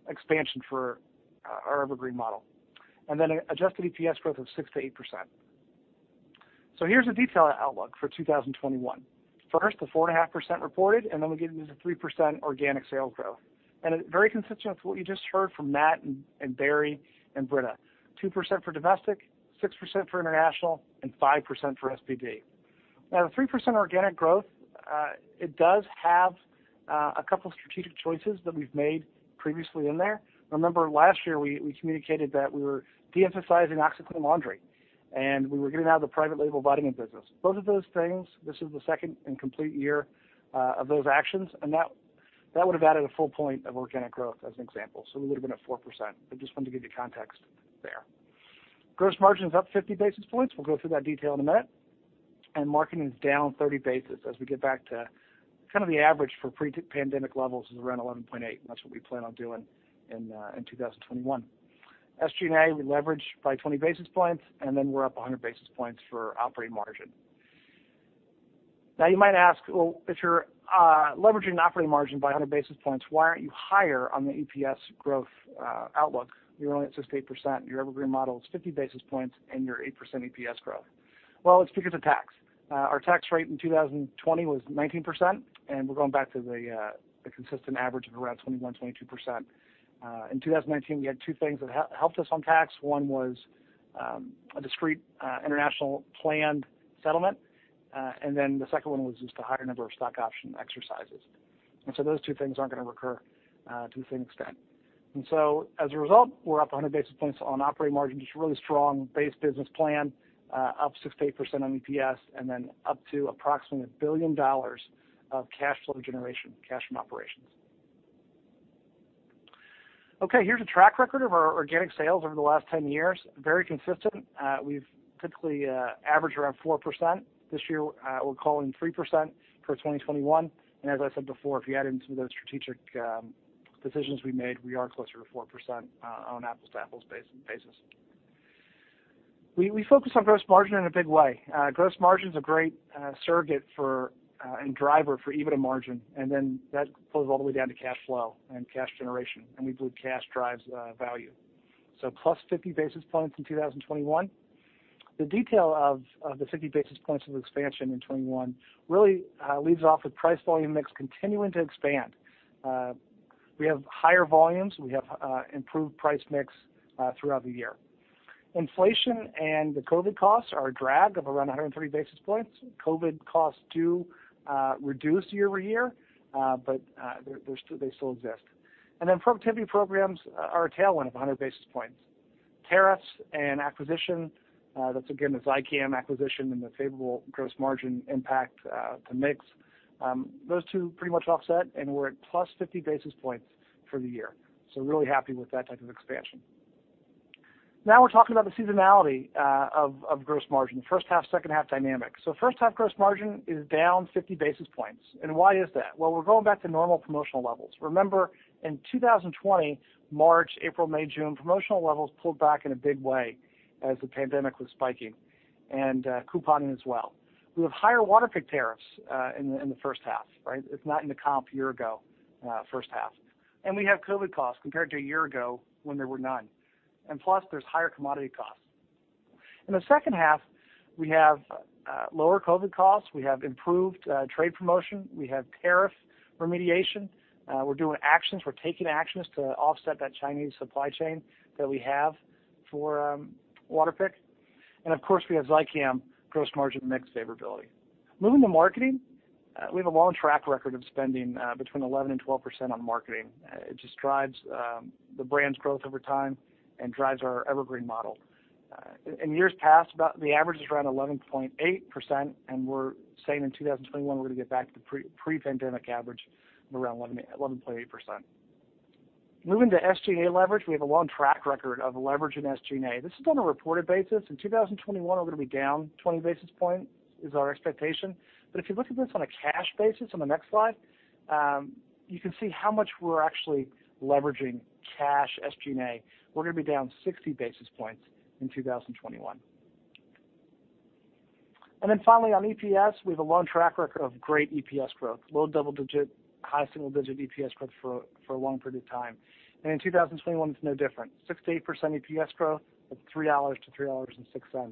expansion for our Evergreen model. Adjusted EPS growth of 6–8%. Here's the detailed outlook for 2021. First, the 4.5% reported, and then we get into the 3% organic sales growth. It is very consistent with what you just heard from Matt and Barry and Britta. 2% for domestic, 6% for international, and 5% for SBD. Now, the 3% organic growth, it does have a couple of strategic choices that we have made previously in there. Remember, last year we communicated that we were de-emphasizing OxiClean Laundry, and we were getting out of the private label vitamin business. Both of those things, this is the second complete year of those actions, and that would have added a full point of organic growth as an example. We would have been at 4%. I just wanted to give you context there. Gross margin is up 50 basis points. We will go through that detail in a minute. Marketing is down 30 basis points as we get back to kind of the average for pre-pandemic levels, which is around 11.8%, and that's what we plan on doing in 2021. SG&A, we leveraged by 20 basis points, and then we're up 100 basis points for operating margin. You might ask, if you're leveraging operating margin by 100 basis points, why aren't you higher on the EPS growth outlook? You're only at 6–8%. Your Evergreen model is 50 basis points, and you're 8% EPS growth. It is because of tax. Our tax rate in 2020 was 19%, and we're going back to the consistent average of around 21-22%. In 2019, we had two things that helped us on tax. One was a discreet international planned settlement, and then the second one was just a higher number of stock option exercises. Those two things are not going to recur to the same extent. As a result, we are up 100 basis points on operating margin, just a really strong base business plan, up 6-8% on EPS, and then up to approximately $1 billion of cash flow generation, cash from operations. Here is a track record of our organic sales over the last 10 years. Very consistent. We have typically averaged around 4%. This year, we are calling 3% for 2021. As I said before, if you add in some of those strategic decisions we made, we are closer to 4% on an apples to apples basis. We focus on gross margin in a big way. Gross margin is a great surrogate and driver for EBITDA margin, and then that goes all the way down to cash flow and cash generation, and we believe cash drives value. +50 basis points in 2021. The detail of the 50 basis points of expansion in 2021 really leads off with price volume mix continuing to expand. We have higher volumes. We have improved price mix throughout the year. Inflation and the COVID costs are a drag of around 130 basis points. COVID costs do reduce year-over-year, but they still exist. Productivity programs are a tailwind of 100 basis points. Tariffs and acquisition, that's again the Zicam acquisition and the favorable gross margin impact to mix. Those two pretty much offset, and we're at +50 basis points for the year. Really happy with that type of expansion. Now we're talking about the seasonality of gross margin, the first half, second half dynamic. First half gross margin is down 50 basis points. Why is that? We're going back to normal promotional levels. Remember, in 2020, March, April, May, June, promotional levels pulled back in a big way as the pandemic was spiking and couponing as well. We have higher Waterpik tariffs in the first half, right? It's not in the comp year ago, first half. We have COVID costs compared to a year ago when there were none. Plus, there's higher commodity costs. In the second half, we have lower COVID costs. We have improved trade promotion. We have tariff remediation. We're doing actions. We're taking actions to offset that Chinese supply chain that we have for Waterpik. Of course, we have Zicam gross margin mix favorability. Moving to marketing, we have a long track record of spending between 11% and 12% on marketing. It just drives the brand's growth over time and drives our Evergreen model. In years past, the average is around 11.8%, and we're saying in 2021, we're going to get back to the pre-pandemic average of around 11.8%. Moving to SG&A leverage, we have a long track record of leveraging SG&A. This is on a reported basis. In 2021, we're going to be down 20 basis points is our expectation. If you look at this on a cash basis on the next slide, you can see how much we're actually leveraging cash SG&A. We're going to be down 60 basis points in 2021. Finally, on EPS, we have a long track record of great EPS growth. Low double digit, high single digit EPS growth for a long period of time. In 2021, it's no different. 6–8% EPS growth of $3–$3.06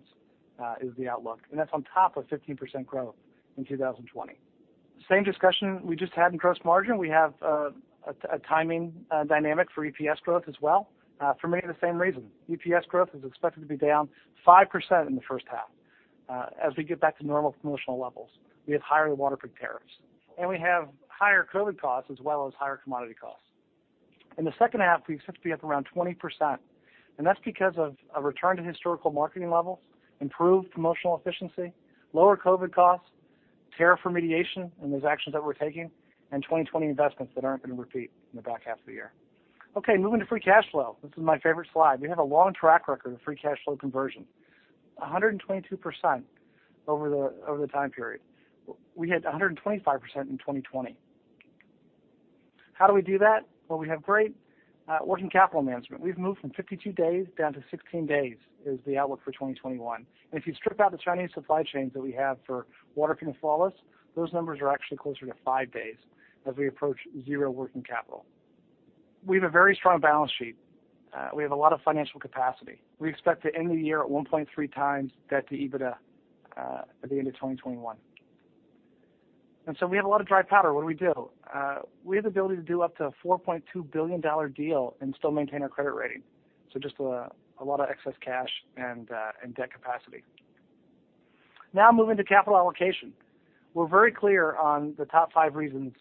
is the outlook. That's on top of 15% growth in 2020. Same discussion we just had in gross margin. We have a timing dynamic for EPS growth as well for many of the same reasons. EPS growth is expected to be down 5% in the first half as we get back to normal promotional levels. We have higher Waterpik tariffs, and we have higher COVID costs as well as higher commodity costs. In the second half, we expect to be up around 20%, and that's because of a return to historical marketing levels, improved promotional efficiency, lower COVID costs, tariff remediation, and those actions that we're taking, and 2020 investments that aren't going to repeat in the back half of the year. Okay, moving to free cash flow. This is my favorite slide. We have a long track record of free cash flow conversion, 122% over the time period. We had 125% in 2020. How do we do that? We have great working capital management. We have moved from 52 days down to 16 days is the outlook for 2021. If you strip out the Chinese supply chains that we have for Waterpik and Flawless, those numbers are actually closer to five days as we approach zero working capital. We have a very strong balance sheet. We have a lot of financial capacity. We expect to end the year at 1.3 times debt to EBITDA at the end of 2021. We have a lot of dry powder. What do we do? We have the ability to do up to a $4.2 billion deal and still maintain our credit rating. Just a lot of excess cash and debt capacity. Now moving to capital allocation. We are very clear on the top five reasons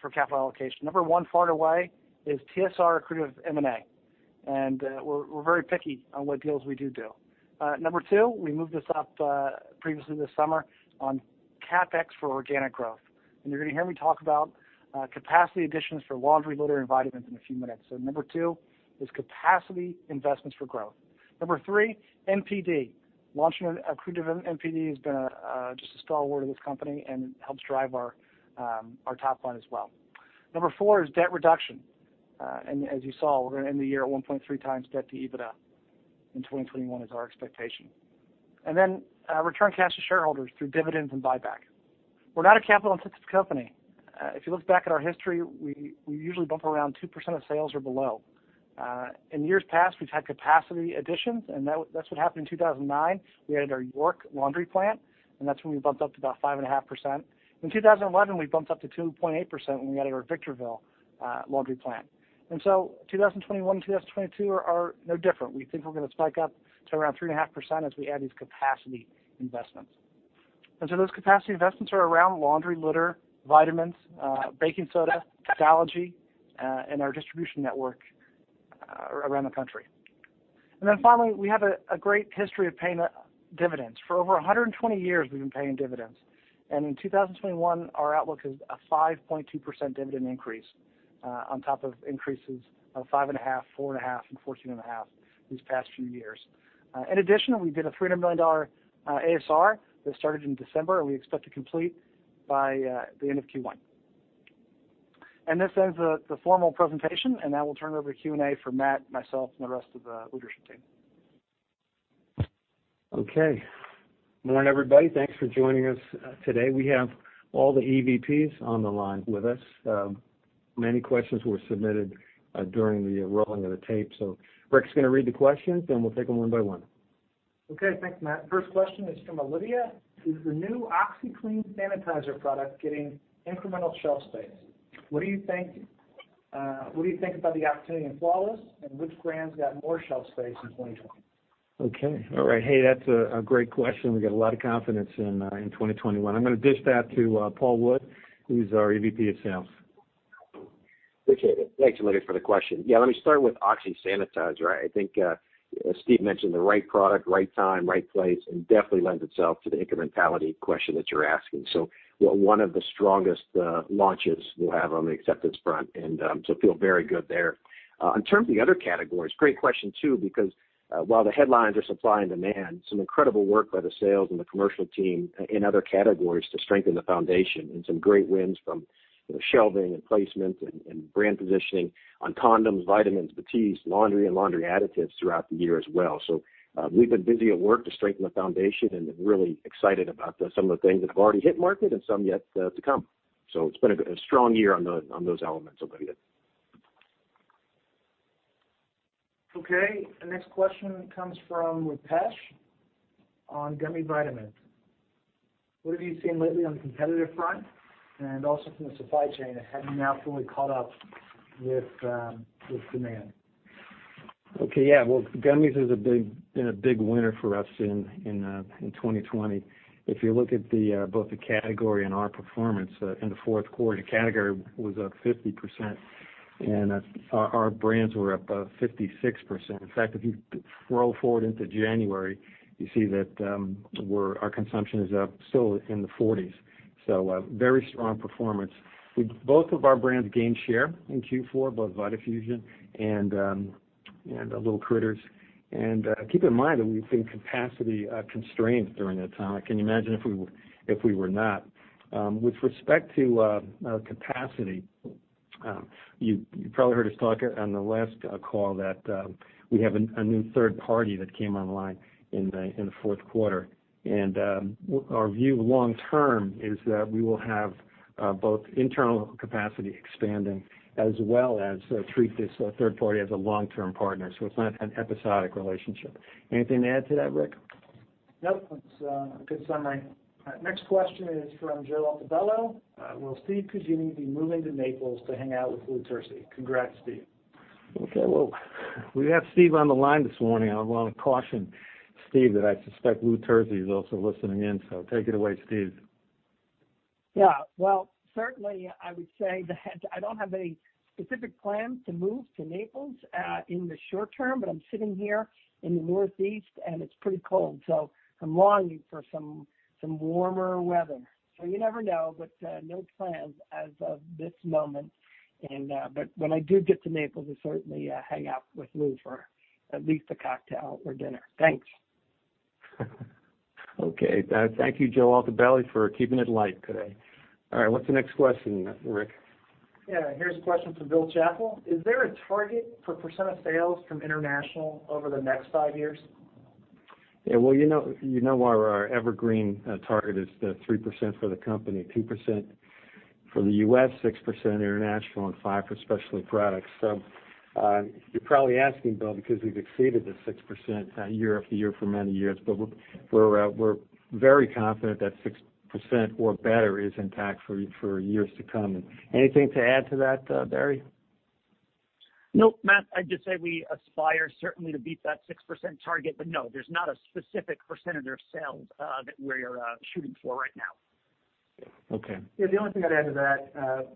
for capital allocation. Number one, far and away, is TSR accretive M&A, and we're very picky on what deals we do do. Number two, we moved this up previously this summer on CapEx for organic growth. You're going to hear me talk about capacity additions for laundry, litter, and vitamins in a few minutes. Number two is capacity investments for growth. Number three, NPD. Launching an accretive NPD has been just a stalwart of this company, and it helps drive our top line as well. Number four is debt reduction. As you saw, we're going to end the year at 1.3 times debt to EBITDA in 2021 is our expectation. Then return cash to shareholders through dividends and buyback. We're not a capital-intensive company. If you look back at our history, we usually bump around 2% of sales or below. In years past, we've had capacity additions, and that's what happened in 2009. We added our York laundry plant, and that's when we bumped up to about 5.5%. In 2011, we bumped up to 2.8% when we added our Victorville laundry plant. 2021 and 2022 are no different. We think we're going to spike up to around 3.5% as we add these capacity investments. Those capacity investments are around laundry, litter, vitamins, baking soda, pathology, and our distribution network around the country. Finally, we have a great history of paying dividends. For over 120 years, we've been paying dividends. In 2021, our outlook is a 5.2% dividend increase on top of increases of 5.5%, 4.5%, and 14.5% these past few years. In addition, we did a $300 million ASR that started in December, and we expect to complete by the end of Q1. This ends the formal presentation, and now we'll turn it over to Q&A for Matt, myself, and the rest of the leadership team. Okay. Morning, everybody. Thanks for joining us today. We have all the EVPs on the line with us. Many questions were submitted during the rolling of the tape. Rick's going to read the questions, then we'll take them one by one. Okay, thanks, Matt. First question is from Olivia. Is the new OxiClean sanitizer product getting incremental shelf space? What do you think about the opportunity in Floralis, and which brands got more shelf space in 2020? Okay. All right. Hey, that's a great question. We got a lot of confidence in 2021. I'm going to dish that to Paul Wood, who's our EVP of Sales. Appreciate it. Thanks, Olivia, for the question. Yeah, let me start with OxiSanitizer, right? I think Steve mentioned the right product, right time, right place, and definitely lends itself to the incrementality question that you're asking. One of the strongest launches we'll have on the acceptance front, and feel very good there. In terms of the other categories, great question too, because while the headlines are supply and demand, some incredible work by the sales and the commercial team in other categories to strengthen the foundation and some great wins from shelving and placement and brand positioning on condoms, vitamins, Batiste, laundry, and laundry additives throughout the year as well. We've been busy at work to strengthen the foundation and really excited about some of the things that have already hit market and some yet to come. It's been a strong year on those elements, Olivia. Okay. Next question comes from Rupesh on gummy vitamins. What have you seen lately on the competitive front? Also from the supply chain, have you now fully caught up with demand? Okay, yeah. Gummies has been a big winner for us in 2020. If you look at both the category and our performance in the fourth quarter, the category was up 50%, and our brands were up 56%. In fact, if you roll forward into January, you see that our consumption is still in the 40s. Very strong performance. Both of our brands gained share in Q4, both VitaFusion and L'il Critters. Keep in mind that we've been capacity constrained during that time. I can imagine if we were not. With respect to capacity, you probably heard us talk on the last call that we have a new third party that came online in the fourth quarter. Our view long term is that we will have both internal capacity expanding as well as treat this third party as a long-term partner. It is not an episodic relationship. Anything to add to that, Rick? Nope. That is a good summary. Next question is from Joel Tebello. Will Steve Cugini be moving to Naples to hang out with Lou Tersey? Congrats, Steve. Okay. We have Steve on the line this morning. I want to caution Steve that I suspect Lou Tersey is also listening in. Take it away, Steve. Yeah. I would say that I do not have any specific plans to move to Naples in the short term, but I am sitting here in the Northeast, and it is pretty cold. I am longing for some warmer weather. You never know, but no plans as of this moment. But when I do get to Naples, I'll certainly hang out with Lou for at least a cocktail or dinner. Thanks. Okay. Thank you, Joel Tebello, for keeping it light today. All right. What's the next question, Rick? Yeah. Here's a question from Bill Chappell. Is there a target for % of sales from international over the next five years? Yeah. You know our evergreen target is 3% for the company, 2% for the U.S., 6% international, and 5% for specialty products. You're probably asking, Bill, because we've exceeded the 6% year-after-year for many years, but we're very confident that 6% or better is intact for years to come. Anything to add to that, Barry? Nope, Matt. I'd just say we aspire certainly to beat that 6% target, but no, there's not a specific % of sales that we're shooting for right now. Okay. Yeah. The only thing I'd add to that,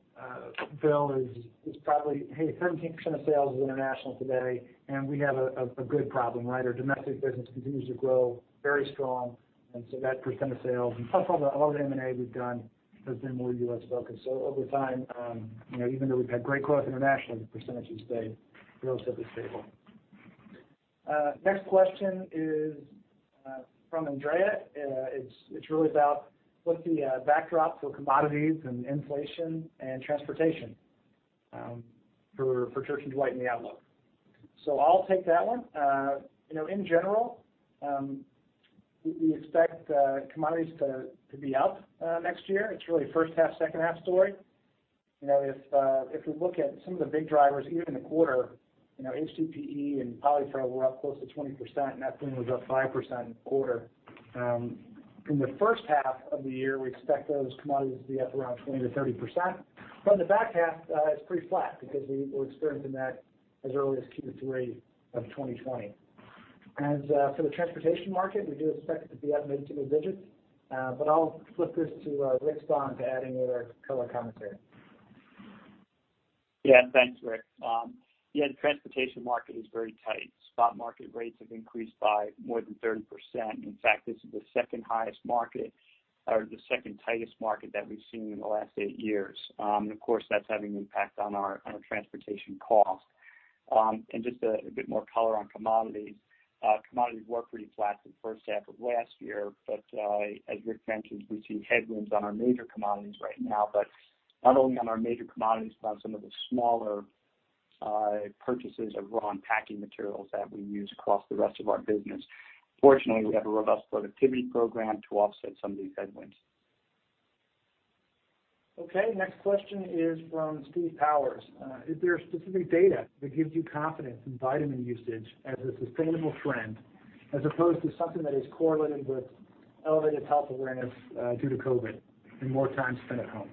Bill, is probably, hey, 17% of sales is international today, and we have a good problem, right? Our domestic business continues to grow very strong, and so that percent of sales, and plus a lot of the M&A we've done, has been more U.S.-focused. Over time, even though we've had great growth internationally, the percentage has stayed relatively stable. Next question is from Andrea. It's really about what's the backdrop for commodities and inflation and transportation for Church & Dwight and the outlook. I'll take that one. In general, we expect commodities to be up next year. It's really first half, second half story. If we look at some of the big drivers, even in the quarter, HDPE and polypropylene were up close to 20%, and ethylene was up 5% in the quarter. In the first half of the year, we expect those commodities to be up around 20%-30%. From the back half, it's pretty flat because we're experiencing that as early as Q3 of 2020. As for the transportation market, we do expect it to be up mid to mid-digits, but I'll flip this to Rick Stahn to add in with our fellow commentator. Yeah. Thanks, Rick. Yeah, the transportation market is very tight. Spot market rates have increased by more than 30%. In fact, this is the second highest market or the second tightest market that we've seen in the last eight years. Of course, that's having an impact on our transportation cost. And just a bit more color on commodities. Commodities were pretty flat the first half of last year, but as Rick mentioned, we see headwinds on our major commodities right now, but not only on our major commodities, but on some of the smaller purchases of raw and packing materials that we use across the rest of our business. Fortunately, we have a robust productivity program to offset some of these headwinds. Okay. Next question is from Steve Powers. Is there specific data that gives you confidence in vitamin usage as a sustainable trend as opposed to something that is correlated with elevated health awareness due to COVID and more time spent at home?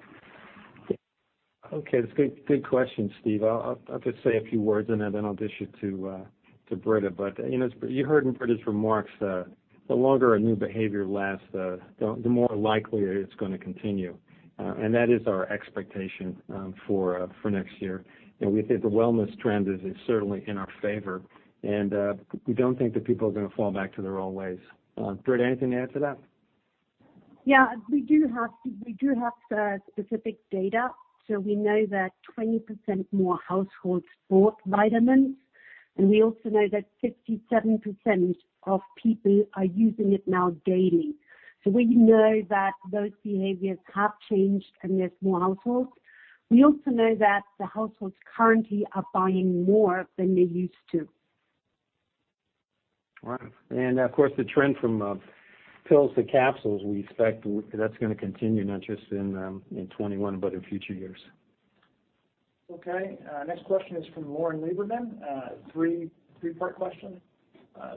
Okay. That's a good question, Steve. I'll just say a few words in it, and then I'll dish it to Britta. But you heard in Britta's remarks, the longer a new behavior lasts, the more likely it's going to continue. That is our expectation for next year. We think the wellness trend is certainly in our favor, and we do not think that people are going to fall back to their old ways. Britta, anything to add to that? Yeah. We do have specific data. We know that 20% more households bought vitamins, and we also know that 57% of people are using it now daily. We know that those behaviors have changed and there are more households. We also know that the households currently are buying more than they used to. Right. Of course, the trend from pills to capsules, we expect that is going to continue not just in 2021, but in future years. Next question is from Lauren Lieberman. Three-part question.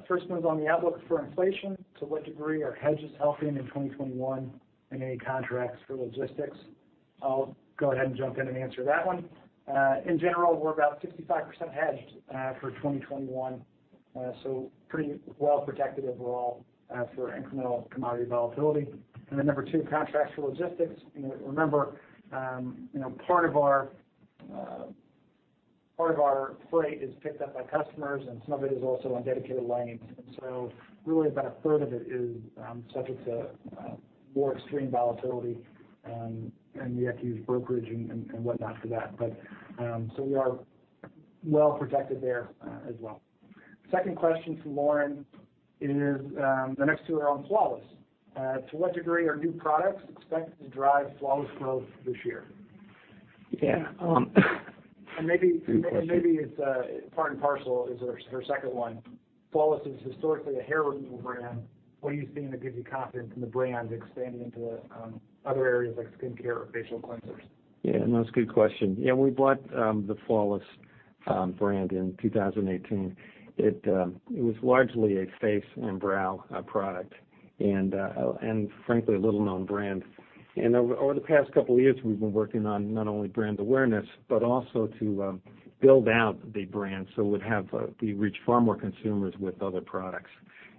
First one is on the outlook for inflation. To what degree are hedges helping in 2021 in any contracts for logistics? I'll go ahead and jump in and answer that one. In general, we're about 65% hedged for 2021, so pretty well protected overall for incremental commodity volatility. Number two, contracts for logistics. Remember, part of our freight is picked up by customers, and some of it is also on dedicated lanes. Really about a third of it is subject to more extreme volatility, and you have to use brokerage and whatnot for that. We are well protected there as well. Second question from Lauren is the next two are on Flawless. To what degree are new products expected to drive Flawless growth this year? Yeah. Maybe part and parcel is her second one. Flawless is historically a hair removal brand. What do you see in it that gives you confidence in the brand expanding into other areas like skincare or facial cleansers? Yeah. No, that's a good question. Yeah. We bought the Flawless brand in 2018. It was largely a face and brow product and, frankly, a little-known brand. Over the past couple of years, we've been working on not only brand awareness, but also to build out the brand so we reach far more consumers with other products.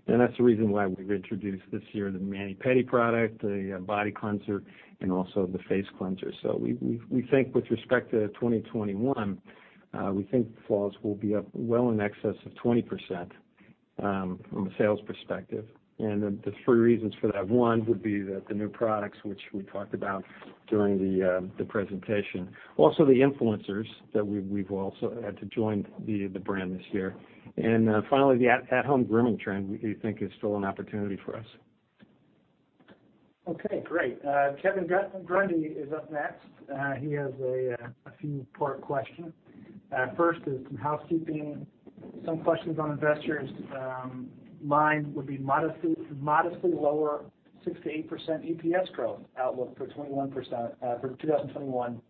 That's the reason why we've introduced this year the mani pedi product, the body cleanser, and also the face cleanser. We think with respect to 2021, we think Flawless will be up well in excess of 20% from a sales perspective. The three reasons for that, one would be the new products, which we talked about during the presentation, also the influencers that we've also had to join the brand this year. Finally, the at-home grooming trend, we think, is still an opportunity for us. Okay. Great. Kevin Grundy is up next. He has a few-part questions. First is some housekeeping. Some questions on investors' mind would be modestly lower 6%–8% EPS growth outlook for 2021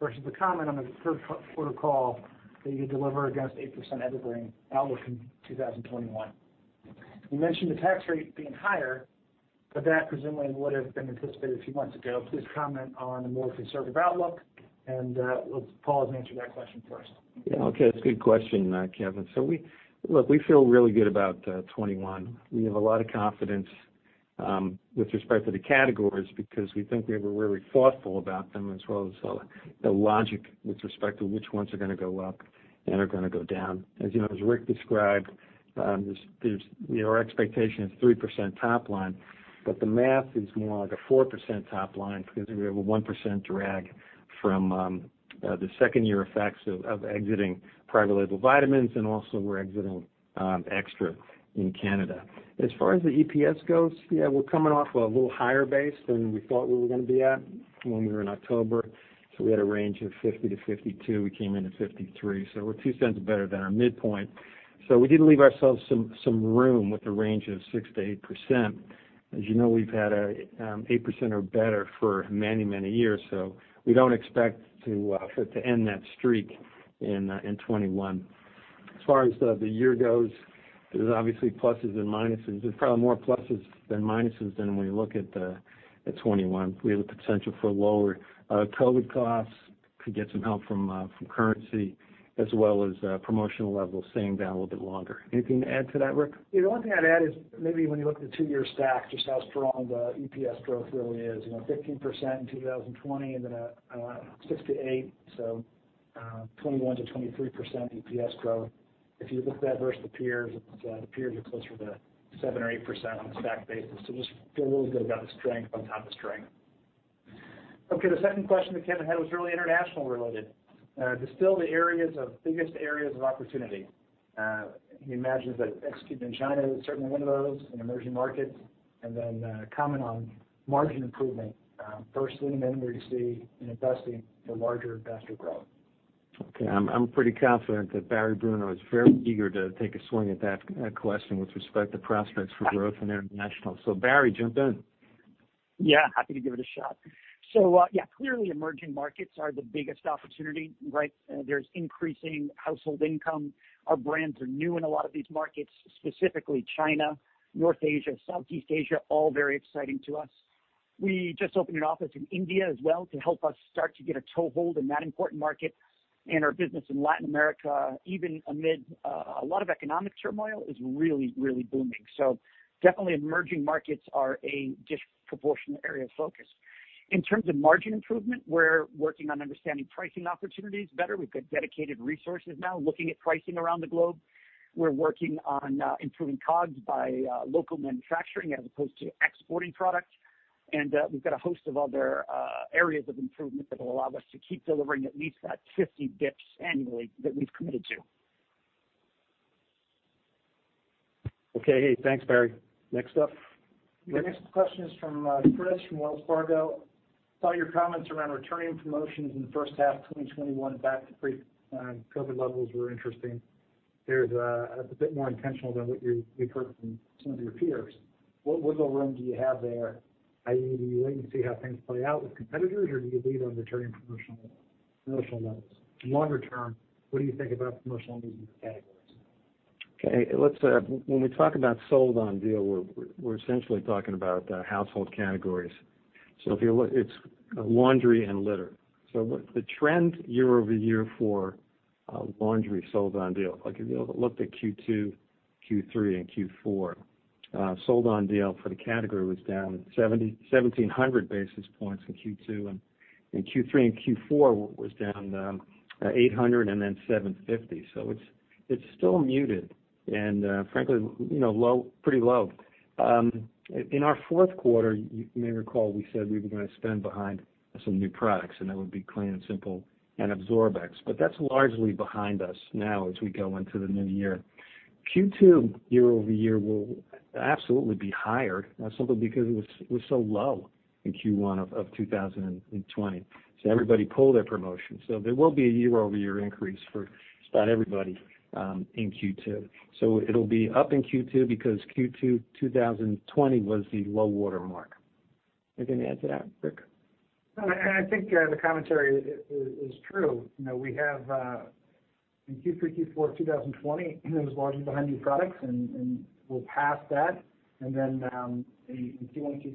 versus the comment on the third quarter call that you deliver against 8% evergreen outlook in 2021. You mentioned the tax rate being higher, but that presumably would have been anticipated a few months ago. Please comment on the more conservative outlook, and let's pause and answer that question first. Yeah. Okay. That's a good question, Kevin. So look, we feel really good about 2021. We have a lot of confidence with respect to the categories because we think we were really thoughtful about them as well as the logic with respect to which ones are going to go up and are going to go down. As you know, as Rick described, our expectation is 3% top line, but the math is more like a 4% top line because we have a 1% drag from the second year effects of exiting private label vitamins, and also we're exiting XTRA in Canada. As far as the EPS goes, yeah, we're coming off a little higher base than we thought we were going to be at when we were in October. So we had a range of 50-52. We came into 53. So we're two cents better than our midpoint. So we did leave ourselves some room with a range of 6–8%. As you know, we've had 8% or better for many, many years. We do not expect to end that streak in 2021. As far as the year goes, there's obviously pluses and minuses. There's probably more pluses than minuses than when you look at 2021. We have the potential for lower COVID costs to get some help from currency, as well as promotional levels staying down a little bit longer. Anything to add to that, Rick? Yeah. The only thing I'd add is maybe when you look at the two-year stack, just how strong the EPS growth really is. 15% in 2020 and then a 6–8%, so 21–23% EPS growth. If you look at that versus the peers, the peers are closer to 7 or 8% on a stack basis. Just feel really good about the strength on top of strength. Okay. The second question that Kevin had was really international-related. Distill the biggest areas of opportunity. He imagines that executing in China is certainly one of those in emerging markets. And then comment on margin improvement, first line and then where you see investing for larger investor growth. Okay. I'm pretty confident that Barry Bruno is very eager to take a swing at that question with respect to prospects for growth in international. Barry, jump in. Yeah. Happy to give it a shot. Yeah, clearly emerging markets are the biggest opportunity, right? There's increasing household income. Our brands are new in a lot of these markets, specifically China, North Asia, Southeast Asia, all very exciting to us. We just opened an office in India as well to help us start to get a toehold in that important market. Our business in Latin America, even amid a lot of economic turmoil, is really, really booming. Definitely emerging markets are a disproportionate area of focus. In terms of margin improvement, we're working on understanding pricing opportunities better. We've got dedicated resources now looking at pricing around the globe. We're working on improving COGS by local manufacturing as opposed to exporting products. And we've got a host of other areas of improvement that will allow us to keep delivering at least that 50 basis points annually that we've committed to. Okay. Hey, thanks, Barry. Next up, Rick. The next question is from Chris from Wells Fargo. Thought your comments around returning promotions in the first half of 2021 back to pre-COVID levels were interesting. There's a bit more intentional than what we've heard from some of your peers. What wiggle room do you have there? I mean, do you wait and see how things play out with competitors, or do you lead on returning promotional levels? And longer term, what do you think about promotional needs in your categories? Okay. When we talk about sold-on deal, we're essentially talking about household categories. It is laundry and litter. The trend year-over-year for laundry sold-on deal, if you looked at Q2, Q3, and Q4, sold-on deal for the category was down 1,700 basis points in Q2, and Q3 and Q4 was down 800 and then 750. It is still muted and, frankly, pretty low. In our fourth quarter, you may recall we said we were going to spend behind some new products, and that would be Clean & Simple and AbsorbX. That is largely behind us now as we go into the new year. Q2 year-over-year will absolutely be higher, simply because it was so low in Q1 of 2020. Everybody pulled their promotion. There will be a year-over-year increase for about everybody in Q2. It'll be up in Q2 because Q2 2020 was the low watermark. Anything to add to that, Rick? I think the commentary is true. We have in Q3, Q4 of 2020, it was largely behind new products, and we're past that. In Q1,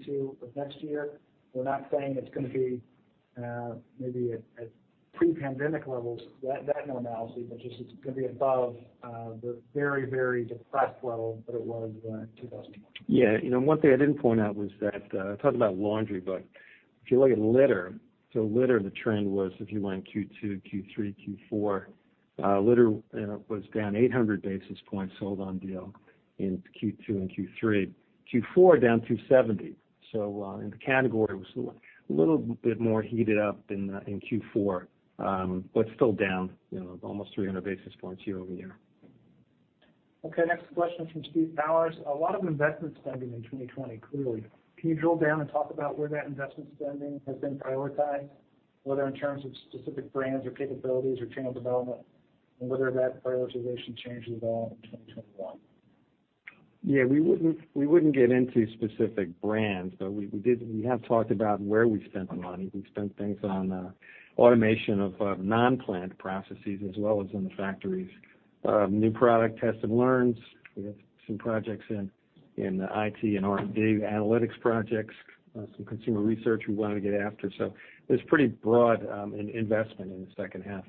Q2 of next year, we're not saying it's going to be maybe at pre-pandemic levels, that analysis, but just it's going to be above the very, very depressed level that it was in 2020. Yeah. One thing I didn't point out was that I talked about laundry, but if you look at litter, the trend was if you went Q2, Q3, Q4, litter was down 800 basis points sold-on deal in Q2 and Q3. Q4 down 270. The category was a little bit more heated up in Q4, but still down almost 300 basis points year-over-year. Okay. Next question from Steve Powers. A lot of investment spending in 2020, clearly. Can you drill down and talk about where that investment spending has been prioritized, whether in terms of specific brands or capabilities or channel development, and whether that prioritization changed at all in 2021? Yeah. We would not get into specific brands, but we have talked about where we spent the money. We spent things on automation of non-plant processes as well as in the factories. New product test and learns. We have some projects in IT and R&D, analytics projects, some consumer research we wanted to get after. It was pretty broad investment in the second half.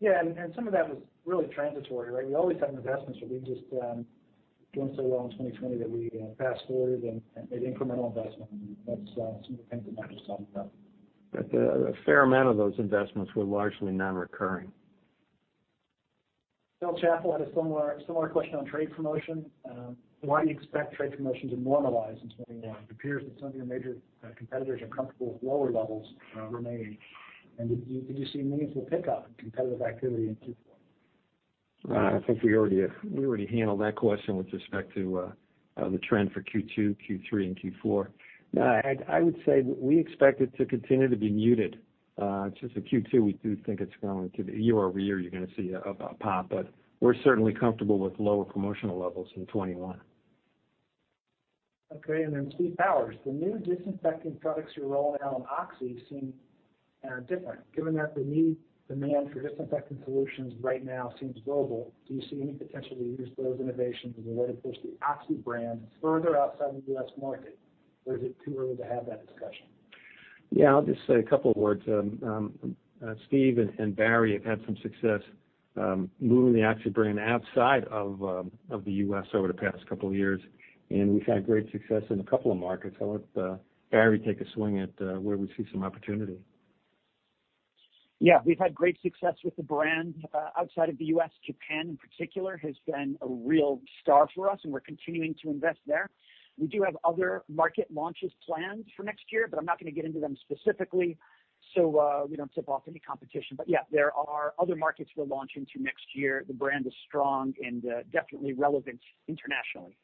Yeah. Some of that was really transitory, right? We always have investments, but we have just done so well in 2020 that we fast-forwarded and made incremental investments. That is some of the things that Matt was talking about. A fair amount of those investments were largely non-recurring. Bill Chappell had a similar question on trade promotion. Why do you expect trade promotion to normalize in 2021? It appears that some of your major competitors are comfortable with lower levels remaining. Did you see meaningful pickup in competitive activity in Q4? I think we already handled that question with respect to the trend for Q2, Q3, and Q4. I would say we expect it to continue to be muted. It's just in Q2, we do think it's going to be year-over-year, you're going to see a pop. We're certainly comfortable with lower promotional levels in 2021. Okay. Steve Powers, the new disinfecting products you're rolling out on OxiClean seem different. Given that the demand for disinfecting solutions right now seems global, do you see any potential to use those innovations as a way to push the OxiClean brand further outside the U.S. market, or is it too early to have that discussion? Yeah. I'll just say a couple of words. Steve and Barry have had some success moving the OxiClean brand outside of the U.S. over the past couple of years. We have had great success in a couple of markets. I'll let Barry take a swing at where we see some opportunity. Yeah. We have had great success with the brand outside of the U.S. Japan, in particular, has been a real star for us, and we're continuing to invest there. We do have other market launches planned for next year, but I'm not going to get into them specifically so we do not tip off any competition. Yeah, there are other markets we're launching to next year. The brand is strong and definitely relevant internationally.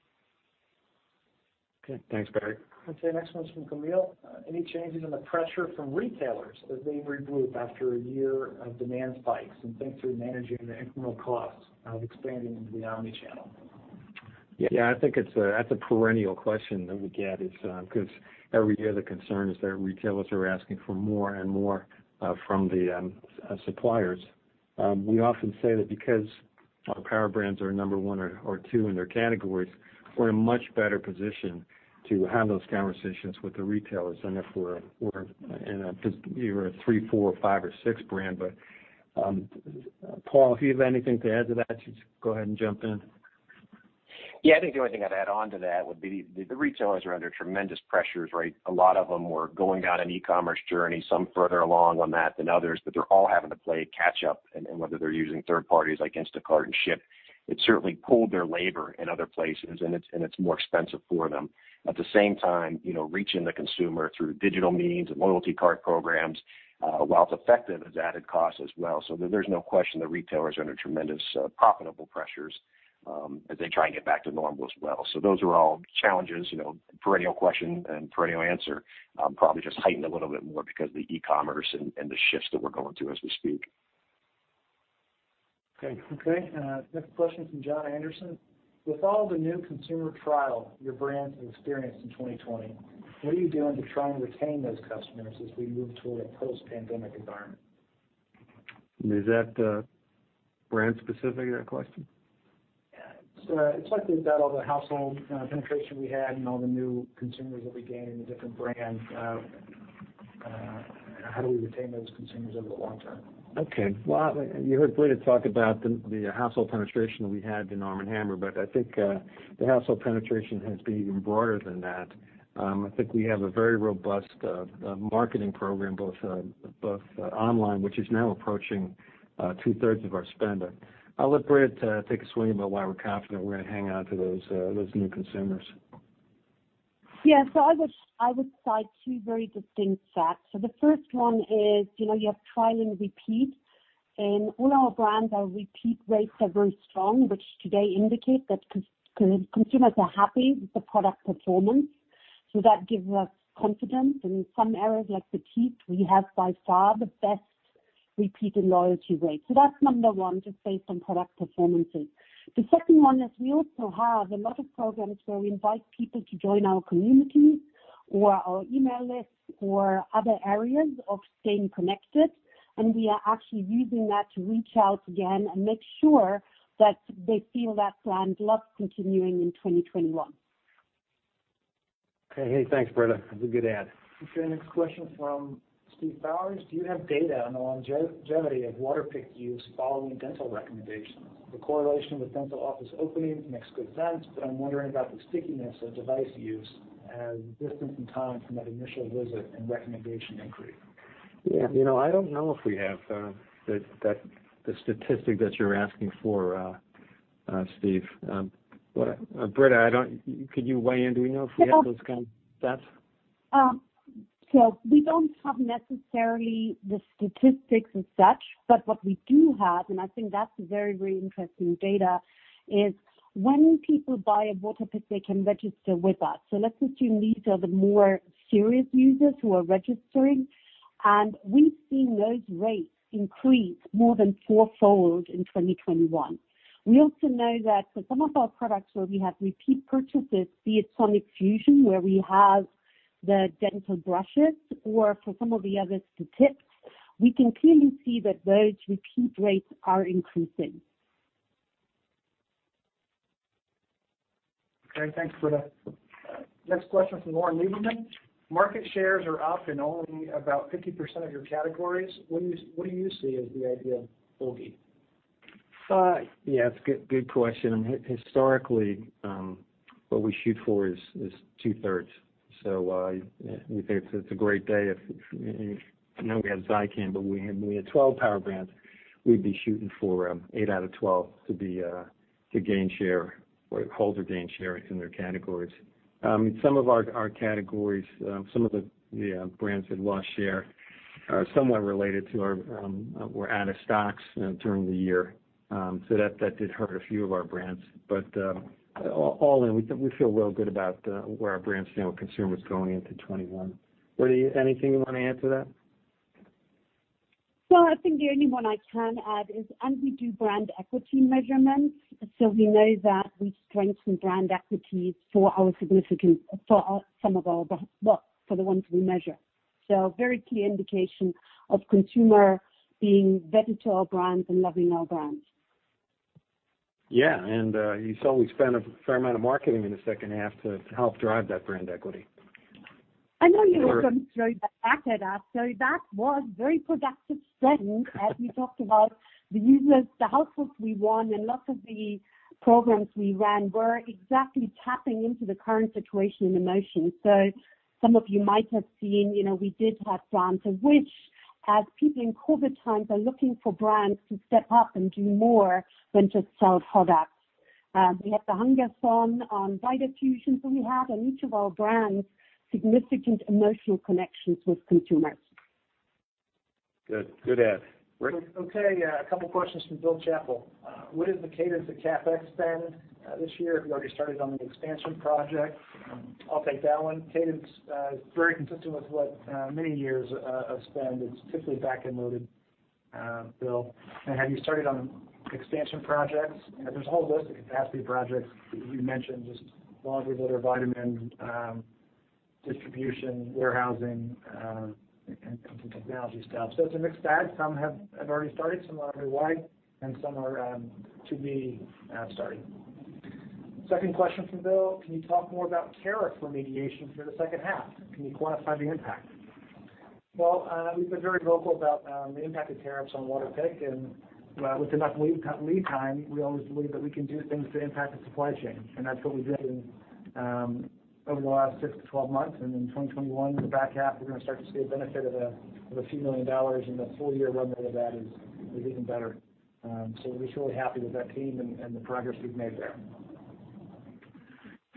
Okay. Thanks, Barry. Okay. Next one's from Camille. Any changes in the pressure from retailers as they regroup after a year of demand spikes and think through managing the incremental costs of expanding into the omnichannel? Yeah. I think that's a perennial question that we get because every year the concern is that retailers are asking for more and more from the suppliers. We often say that because our power brands are number one or two in their categories, we're in a much better position to have those conversations with the retailers. If we're in a three, four, or five, or six brand—Paul, if you have anything to add to that, you just go ahead and jump in. Yeah. I think the only thing I'd add on to that would be the retailers are under tremendous pressures, right? A lot of them were going down an e-commerce journey, some further along on that than others, but they're all having to play catch-up. Whether they're using third parties like Instacart and Shipt, it certainly pulled their labor in other places, and it's more expensive for them. At the same time, reaching the consumer through digital means and loyalty card programs, while it's effective, has added costs as well. There is no question the retailers are under tremendous profitable pressures as they try and get back to normal as well. Those are all challenges, perennial question and perennial answer, probably just heightened a little bit more because of the e-commerce and the shifts that we're going through as we speak. Okay. Next question from John Anderson. With all the new consumer trial your brands have experienced in 2020, what are you doing to try and retain those customers as we move toward a post-pandemic environment? Is that brand-specific, that question? It's likely about all the household penetration we had and all the new consumers that we gained in the different brands. How do we retain those consumers over the long term? Okay. You heard Britta talk about the household penetration that we had in Arm & Hammer, but I think the household penetration has been even broader than that. I think we have a very robust marketing program, both online, which is now approaching two-thirds of our spend. I'll let Britta take a swing at why we're confident we're going to hang on to those new consumers. Yeah. I would cite two very distinct facts. The first one is you have trial and repeat. All our brands, our repeat rates are very strong, which today indicate that consumers are happy with the product performance. That gives us confidence. In some areas like Batiste, we have by far the best repeat and loyalty rates. That is number one, just based on product performances. The second one is we also have a lot of programs where we invite people to join our community or our email list or other areas of staying connected. We are actually using that to reach out again and make sure that they feel that brand love continuing in 2021. Okay. Hey, thanks, Britta. That is a good add. Okay. Next question from Steve Powers. Do you have data on the longevity of Waterpik use following dental recommendations? The correlation with dental office openings makes good sense, but I'm wondering about the stickiness of device use as distance and time from that initial visit and recommendation increase. Yeah. I don't know if we have the statistic that you're asking for, Steve. Britta, could you weigh in? Do we know if we have those kinds of stats? We don't have necessarily the statistics as such, but what we do have—and I think that's very, very interesting data—is when people buy a Waterpik, they can register with us. Let's assume these are the more serious users who are registering. We've seen those rates increase more than fourfold in 2021. We also know that for some of our products where we have repeat purchases, be it Sonic Fusion where we have the dental brushes or for some of the others, the tips, we can clearly see that those repeat rates are increasing. Okay. Thanks, Britta. Next question from Lauren Lieberman. Market shares are up in only about 50% of your categories. What do you see as the ideal full year? Yeah. That's a good question. Historically, what we shoot for is two-thirds. So we think it's a great day. I know we have Zicam, but when we had 12 power brands, we'd be shooting for 8 out of 12 to gain share or hold or gain share in their categories. Some of our categories, some of the brands that lost share are somewhat related to our we're out of stocks during the year. That did hurt a few of our brands. All in, we feel real good about where our brands stand with consumers going into 2021. Britta, anything you want to add to that? I think the only one I can add is, and we do brand equity measurements. We know that we strengthen brand equities for some of our—for the ones we measure. Very clear indication of consumer being vetted to our brands and loving our brands. Yeah. You saw we spent a fair amount of marketing in the second half to help drive that brand equity. I know you were going to throw that back at us. That was very productive spend as we talked about the households we won and lots of the programs we ran were exactly tapping into the current situation in emotion. Some of you might have seen we did have brands of which, as people in COVID times, are looking for brands to step up and do more than just sell products. We had the Hunger Song on Diet Fusion, so we had on each of our brands significant emotional connections with consumers. Good. Good ad. Rick? Okay. A couple of questions from Bill Chappell. What is the cadence of CapEx spend this year? Have you already started on the expansion project? I'll take that one. Cadence is very consistent with what many years of spend. It's typically back and loaded, Bill. Have you started on expansion projects? There's a whole list of capacity projects you mentioned, just laundry, litter, vitamin distribution, warehousing, and some technology stuff. It's a mixed bag. Some have already started, some are underway, and some are to be started. Second question from Bill. Can you talk more about tariff remediation for the second half? Can you quantify the impact? We have been very vocal about the impact of tariffs on Waterpik. With enough lead time, we always believe that we can do things to impact the supply chain. That is what we have been doing over the last 6–12 months. In 2021, in the back half, we are going to start to see a benefit of a few million dollars, and the full-year run rate of that is even better. We are just really happy with that team and the progress we have made there.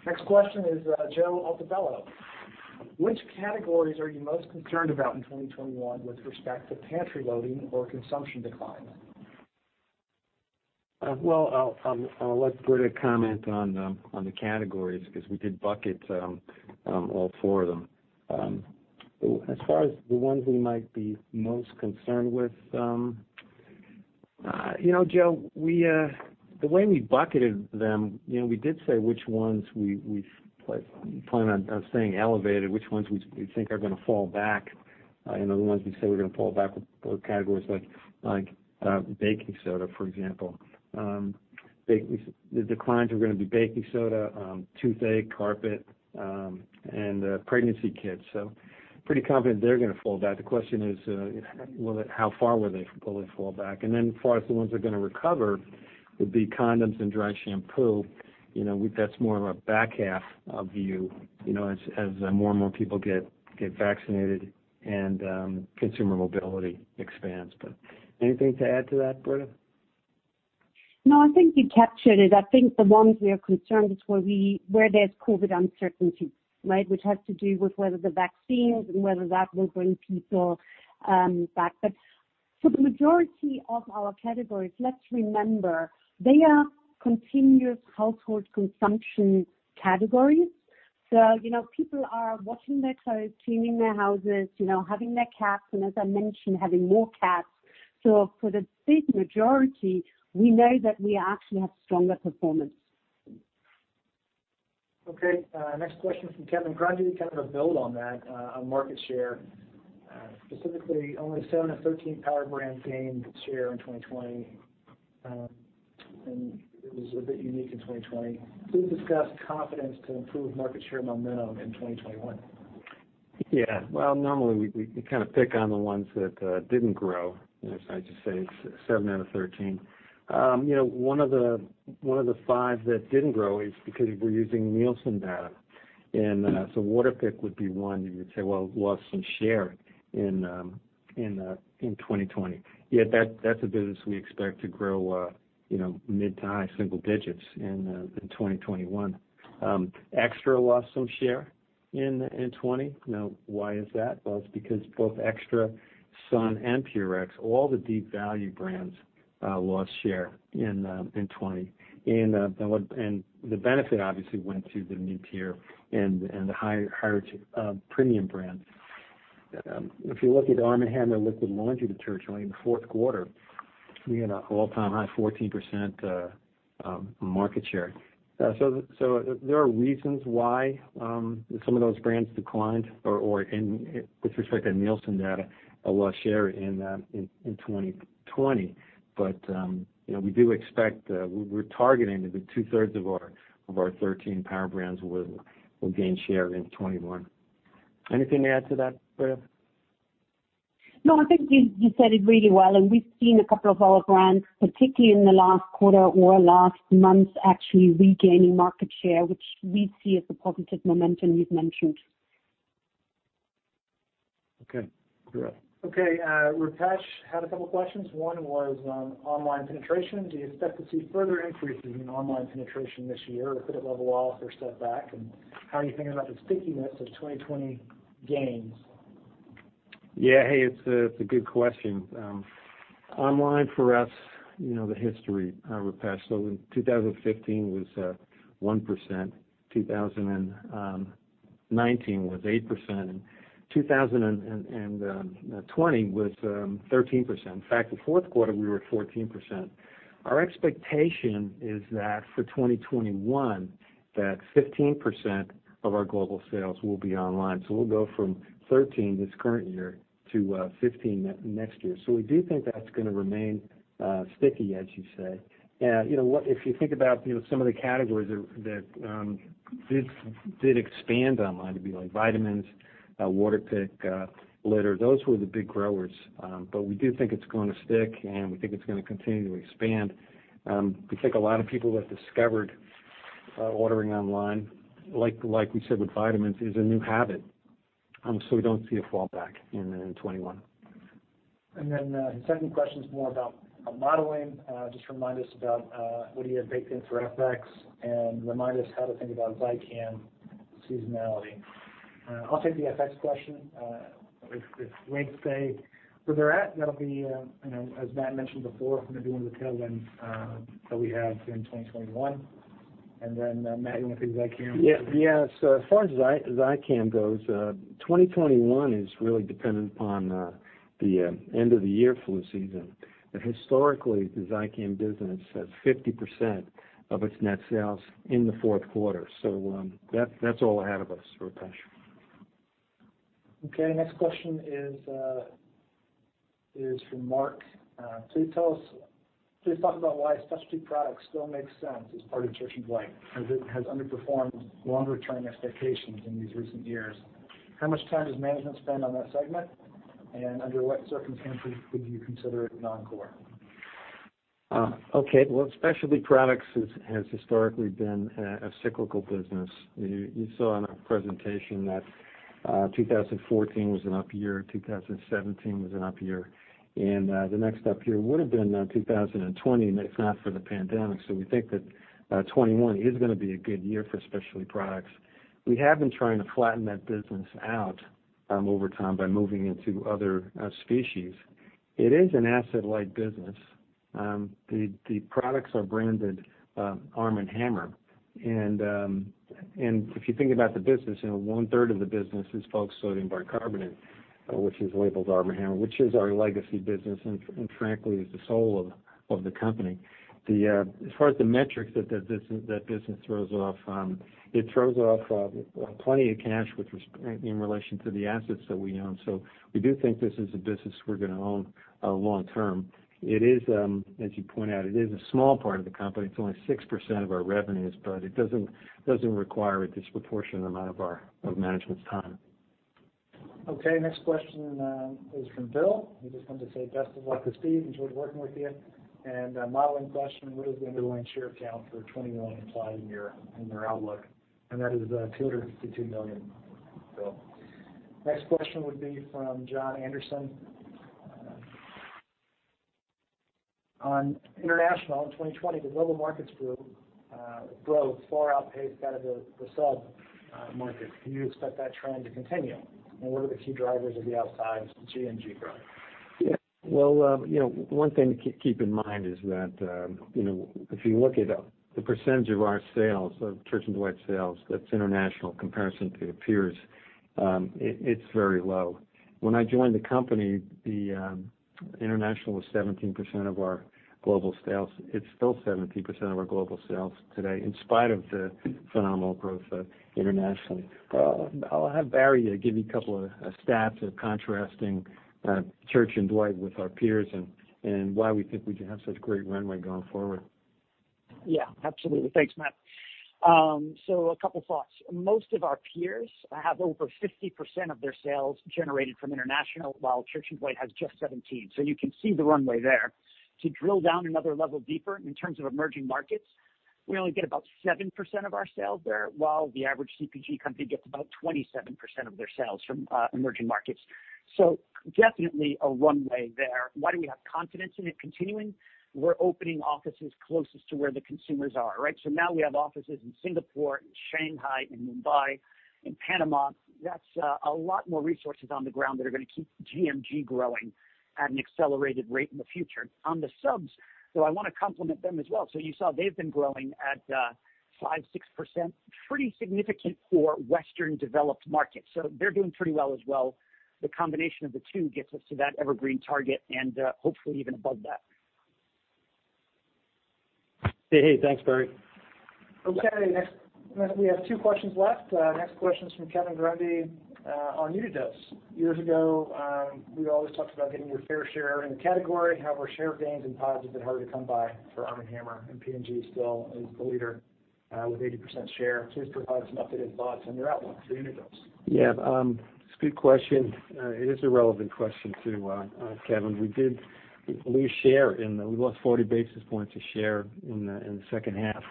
Next question is Joe Altobello. Which categories are you most concerned about in 2021 with respect to pantry loading or consumption declines? I will let Britta comment on the categories because we did bucket all four of them. As far as the ones we might be most concerned with, Joe, the way we bucketed them, we did say which ones we plan on staying elevated, which ones we think are going to fall back. The ones we say are going to fall back were categories like baking soda, for example. The declines are going to be baking soda, toothache, carpet, and pregnancy kits. So pretty confident they're going to fall back. The question is, how far will they fall back? As far as the ones that are going to recover would be condoms and dry shampoo. That's more of a back half view as more and more people get vaccinated and consumer mobility expands. Anything to add to that, Britta? No, I think you captured it. I think the ones we are concerned is where there's COVID uncertainty, right, which has to do with whether the vaccines and whether that will bring people back. For the majority of our categories, let's remember they are continuous household consumption categories. People are washing their clothes, cleaning their houses, having their cats, and as I mentioned, having more cats. For the big majority, we know that we actually have stronger performance. Okay. Next question from Kevin Grundy. Do we kind of build on that on market share? Specifically, only 7 of 13 power brands gained share in 2020. It was a bit unique in 2020. Please discuss confidence to improve market share momentum in 2021. Yeah. Normally, we kind of pick on the ones that didn't grow. I just say it's 7 out of 13. One of the five that did not grow is because we are using Nielsen data. Waterpik would be one that you would say, "Well, lost some share in 2020." That is a business we expect to grow mid to high single digits in 2021. XTRA lost some share in 2020. Now, why is that? It is because both XTRA, Sun, and Purex, all the deep value brands, lost share in 2020. The benefit obviously went to the mid-tier and the higher premium brands. If you look at Arm & Hammer Liquid Laundry Detergent, only in the fourth quarter, we had an all-time high, 14% market share. There are reasons why some of those brands declined or, with respect to Nielsen data, lost share in 2020. We do expect we are targeting that two-thirds of our 13 power brands will gain share in 2021. Anything to add to that, Britta? No, I think you said it really well. And we've seen a couple of our brands, particularly in the last quarter or last month, actually regaining market share, which we see as a positive momentum you've mentioned. Okay. Great. Okay. Ritesh had a couple of questions. One was online penetration. Do you expect to see further increases in online penetration this year, or could it level off or set back? And how are you thinking about the stickiness of 2020 gains? Yeah. Hey, it's a good question. Online, for us, the history, Ritesh. So in 2015, it was 1%. 2019 was 8%. And 2020 was 13%. In fact, the fourth quarter, we were at 14%. Our expectation is that for 2021, that 15% of our global sales will be online. So we'll go from 13 this current year to 15 next year. We do think that's going to remain sticky, as you say. If you think about some of the categories that did expand online, like vitamins, Waterpik, litter, those were the big growers. We do think it's going to stick, and we think it's going to continue to expand. We think a lot of people that discovered ordering online, like we said with vitamins, is a new habit. We don't see a fallback in 2021. The second question is more about modeling. Just remind us about what you had baked in for FX and remind us how to think about Zicam seasonality. I'll take the FX question. If rates stay where they're at, that'll be, as Matt mentioned before, going to be one of the tailwinds that we have in 2021. Matt, you want to take Zicam? Yeah. As far as Zicam goes, 2021 is really dependent upon the end of the year flu season. Historically, the Zicam business has 50% of its net sales in the fourth quarter. That's all ahead of us, Ritesh. Next question is from Mark. Please talk about why specialty products still make sense as part of Church & Dwight. Has it underperformed longer-term expectations in these recent years? How much time does management spend on that segment? Under what circumstances would you consider it non-core? Specialty products has historically been a cyclical business. You saw in our presentation that 2014 was an up year, 2017 was an up year. The next up year would have been 2020, if not for the pandemic. We think that 2021 is going to be a good year for specialty products. We have been trying to flatten that business out over time by moving into other species. It is an asset-light business. The products are branded Arm & Hammer. If you think about the business, one-third of the business is bulk sodium bicarbonate, which is labeled Arm & Hammer, which is our legacy business and, frankly, is the soul of the company. As far as the metrics that that business throws off, it throws off plenty of cash in relation to the assets that we own. We do think this is a business we're going to own long-term. As you point out, it is a small part of the company. It's only 6% of our revenues, but it doesn't require a disproportionate amount of management's time. Okay. Next question is from Bill. He just wanted to say best of luck to Steve and enjoyed working with you. Modeling question, what is the underlying share count for 2021 applied in your outlook? That is 252 million, Bill. Next question would be from John Anderson. On international, in 2020, the global markets grew far outpaced out of the sub-market. Do you expect that trend to continue? What are the key drivers of the outside G&G growth? Yeah. One thing to keep in mind is that if you look at the percentage of our sales, of Church & Dwight sales, that's international comparison to peers, it's very low. When I joined the company, the international was 17% of our global sales. It's still 17% of our global sales today, in spite of the phenomenal growth internationally. I'll have Barry give you a couple of stats of contrasting Church & Dwight with our peers and why we think we have such a great runway going forward. Yeah. Absolutely. Thanks, Matt. So a couple of thoughts. Most of our peers have over 50% of their sales generated from international, while Church & Dwight has just 17%. You can see the runway there. To drill down another level deeper, in terms of emerging markets, we only get about 7% of our sales there, while the average CPG company gets about 27% of their sales from emerging markets. So definitely a runway there. Why do we have confidence in it continuing? We're opening offices closest to where the consumers are, right? Now we have offices in Singapore, in Shanghai, in Mumbai, in Panama. That's a lot more resources on the ground that are going to keep C&D growing at an accelerated rate in the future. On the subs, though, I want to complement them as well. You saw they've been growing at 5%–6%, pretty significant for Western developed markets. They're doing pretty well as well. The combination of the two gets us to that evergreen target and hopefully even above that. Hey, hey. Thanks, Barry. Okay. We have two questions left. Next question is from Kevin Grundy on Unit Dose. Years ago, we always talked about getting your fair share in the category. However, share gains and positives are harder to come by for Arm & Hammer. P&G still is the leader with 80% share. Please provide some updated thoughts on your outlook for Unit Dose. Yeah. It's a good question. It is a relevant question too, Kevin. We lost 40 basis points of share in the second half.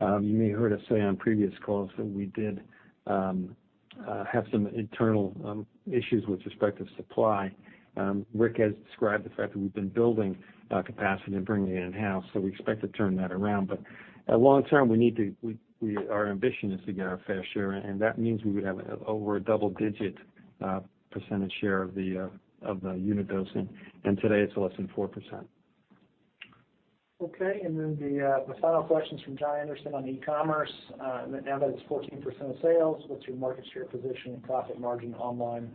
You may have heard us say on previous calls that we did have some internal issues with respect to supply. Rick has described the fact that we've been building capacity and bringing it in-house. We expect to turn that around. Long-term, our ambition is to get our fair share. That means we would have over a double-digit percentage share of the Unit Dose. Today, it's less than 4%. Okay. The final question is from John Anderson on e-commerce. Now that it's 14% of sales, what's your market share position and profit margin online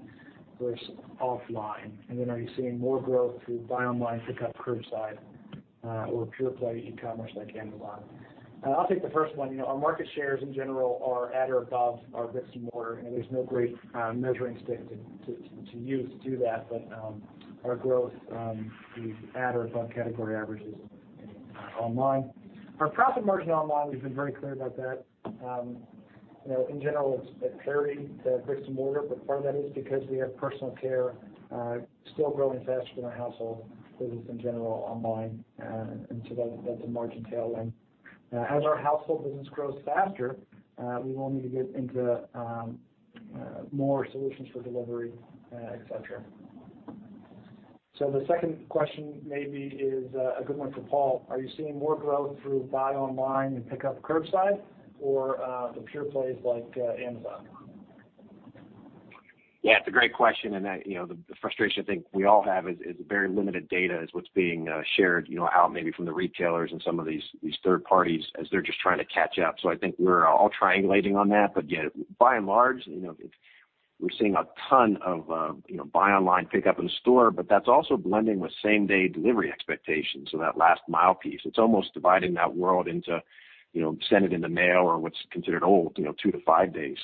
versus offline? Are you seeing more growth through buy online, pick up curbside, or pure-play e-commerce like Amazon? I'll take the first one. Our market shares, in general, are at or above our bricks and mortar. There's no great measuring stick to use to do that. Our growth is at or above category averages online. Our profit margin online, we've been very clear about that. In general, it's parity to bricks and mortar. Part of that is because we have personal care still growing faster than our household business, in general, online. That is a margin tailwind. As our household business grows faster, we will need to get into more solutions for delivery, etc. The second question maybe is a good one for Paul. Are you seeing more growth through buy online and pick up curbside or the pure plays like Amazon? Yeah. It's a great question. The frustration, I think, we all have is very limited data is what's being shared out maybe from the retailers and some of these third parties as they're just trying to catch up. I think we're all triangulating on that. Yeah, by and large, we're seeing a ton of buy online, pick up in the store. That's also blending with same-day delivery expectations of that last mile piece. It's almost dividing that world into send it in the mail or what's considered old, two to five days.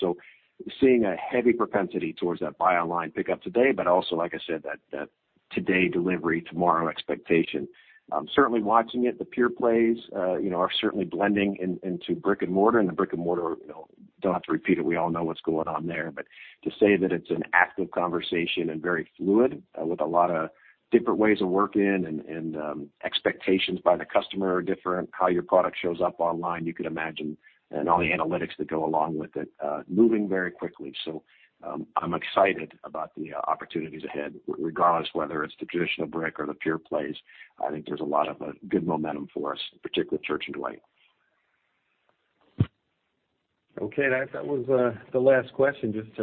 Seeing a heavy propensity towards that buy online, pick up today, but also, like I said, that today delivery, tomorrow expectation. Certainly watching it. The pure plays are certainly blending into brick and mortar. The brick and mortar, don't have to repeat it. We all know what's going on there. To say that it's an active conversation and very fluid with a lot of different ways of working and expectations by the customer are different. How your product shows up online, you could imagine, and all the analytics that go along with it, moving very quickly. I'm excited about the opportunities ahead, regardless whether it's the traditional brick or the pure plays. I think there's a lot of good momentum for us, particularly Church & Dwight. Okay. That was the last question. Just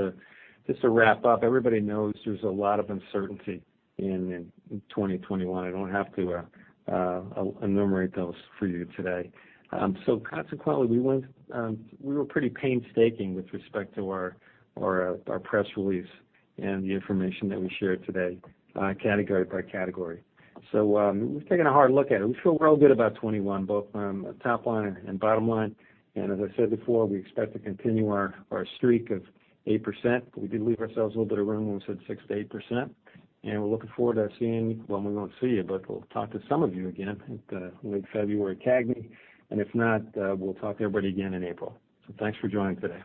to wrap up, everybody knows there's a lot of uncertainty in 2021. I don't have to enumerate those for you today. Consequently, we were pretty painstaking with respect to our press release and the information that we shared today, category by category. We have taken a hard look at it. We feel real good about 2021, both top line and bottom line. As I said before, we expect to continue our streak of 8%. We did leave ourselves a little bit of room when we said 6–8%. We are looking forward to seeing you. We will not see you, but we will talk to some of you again at the late February CAGNY. If not, we will talk to everybody again in April. Thanks for joining today.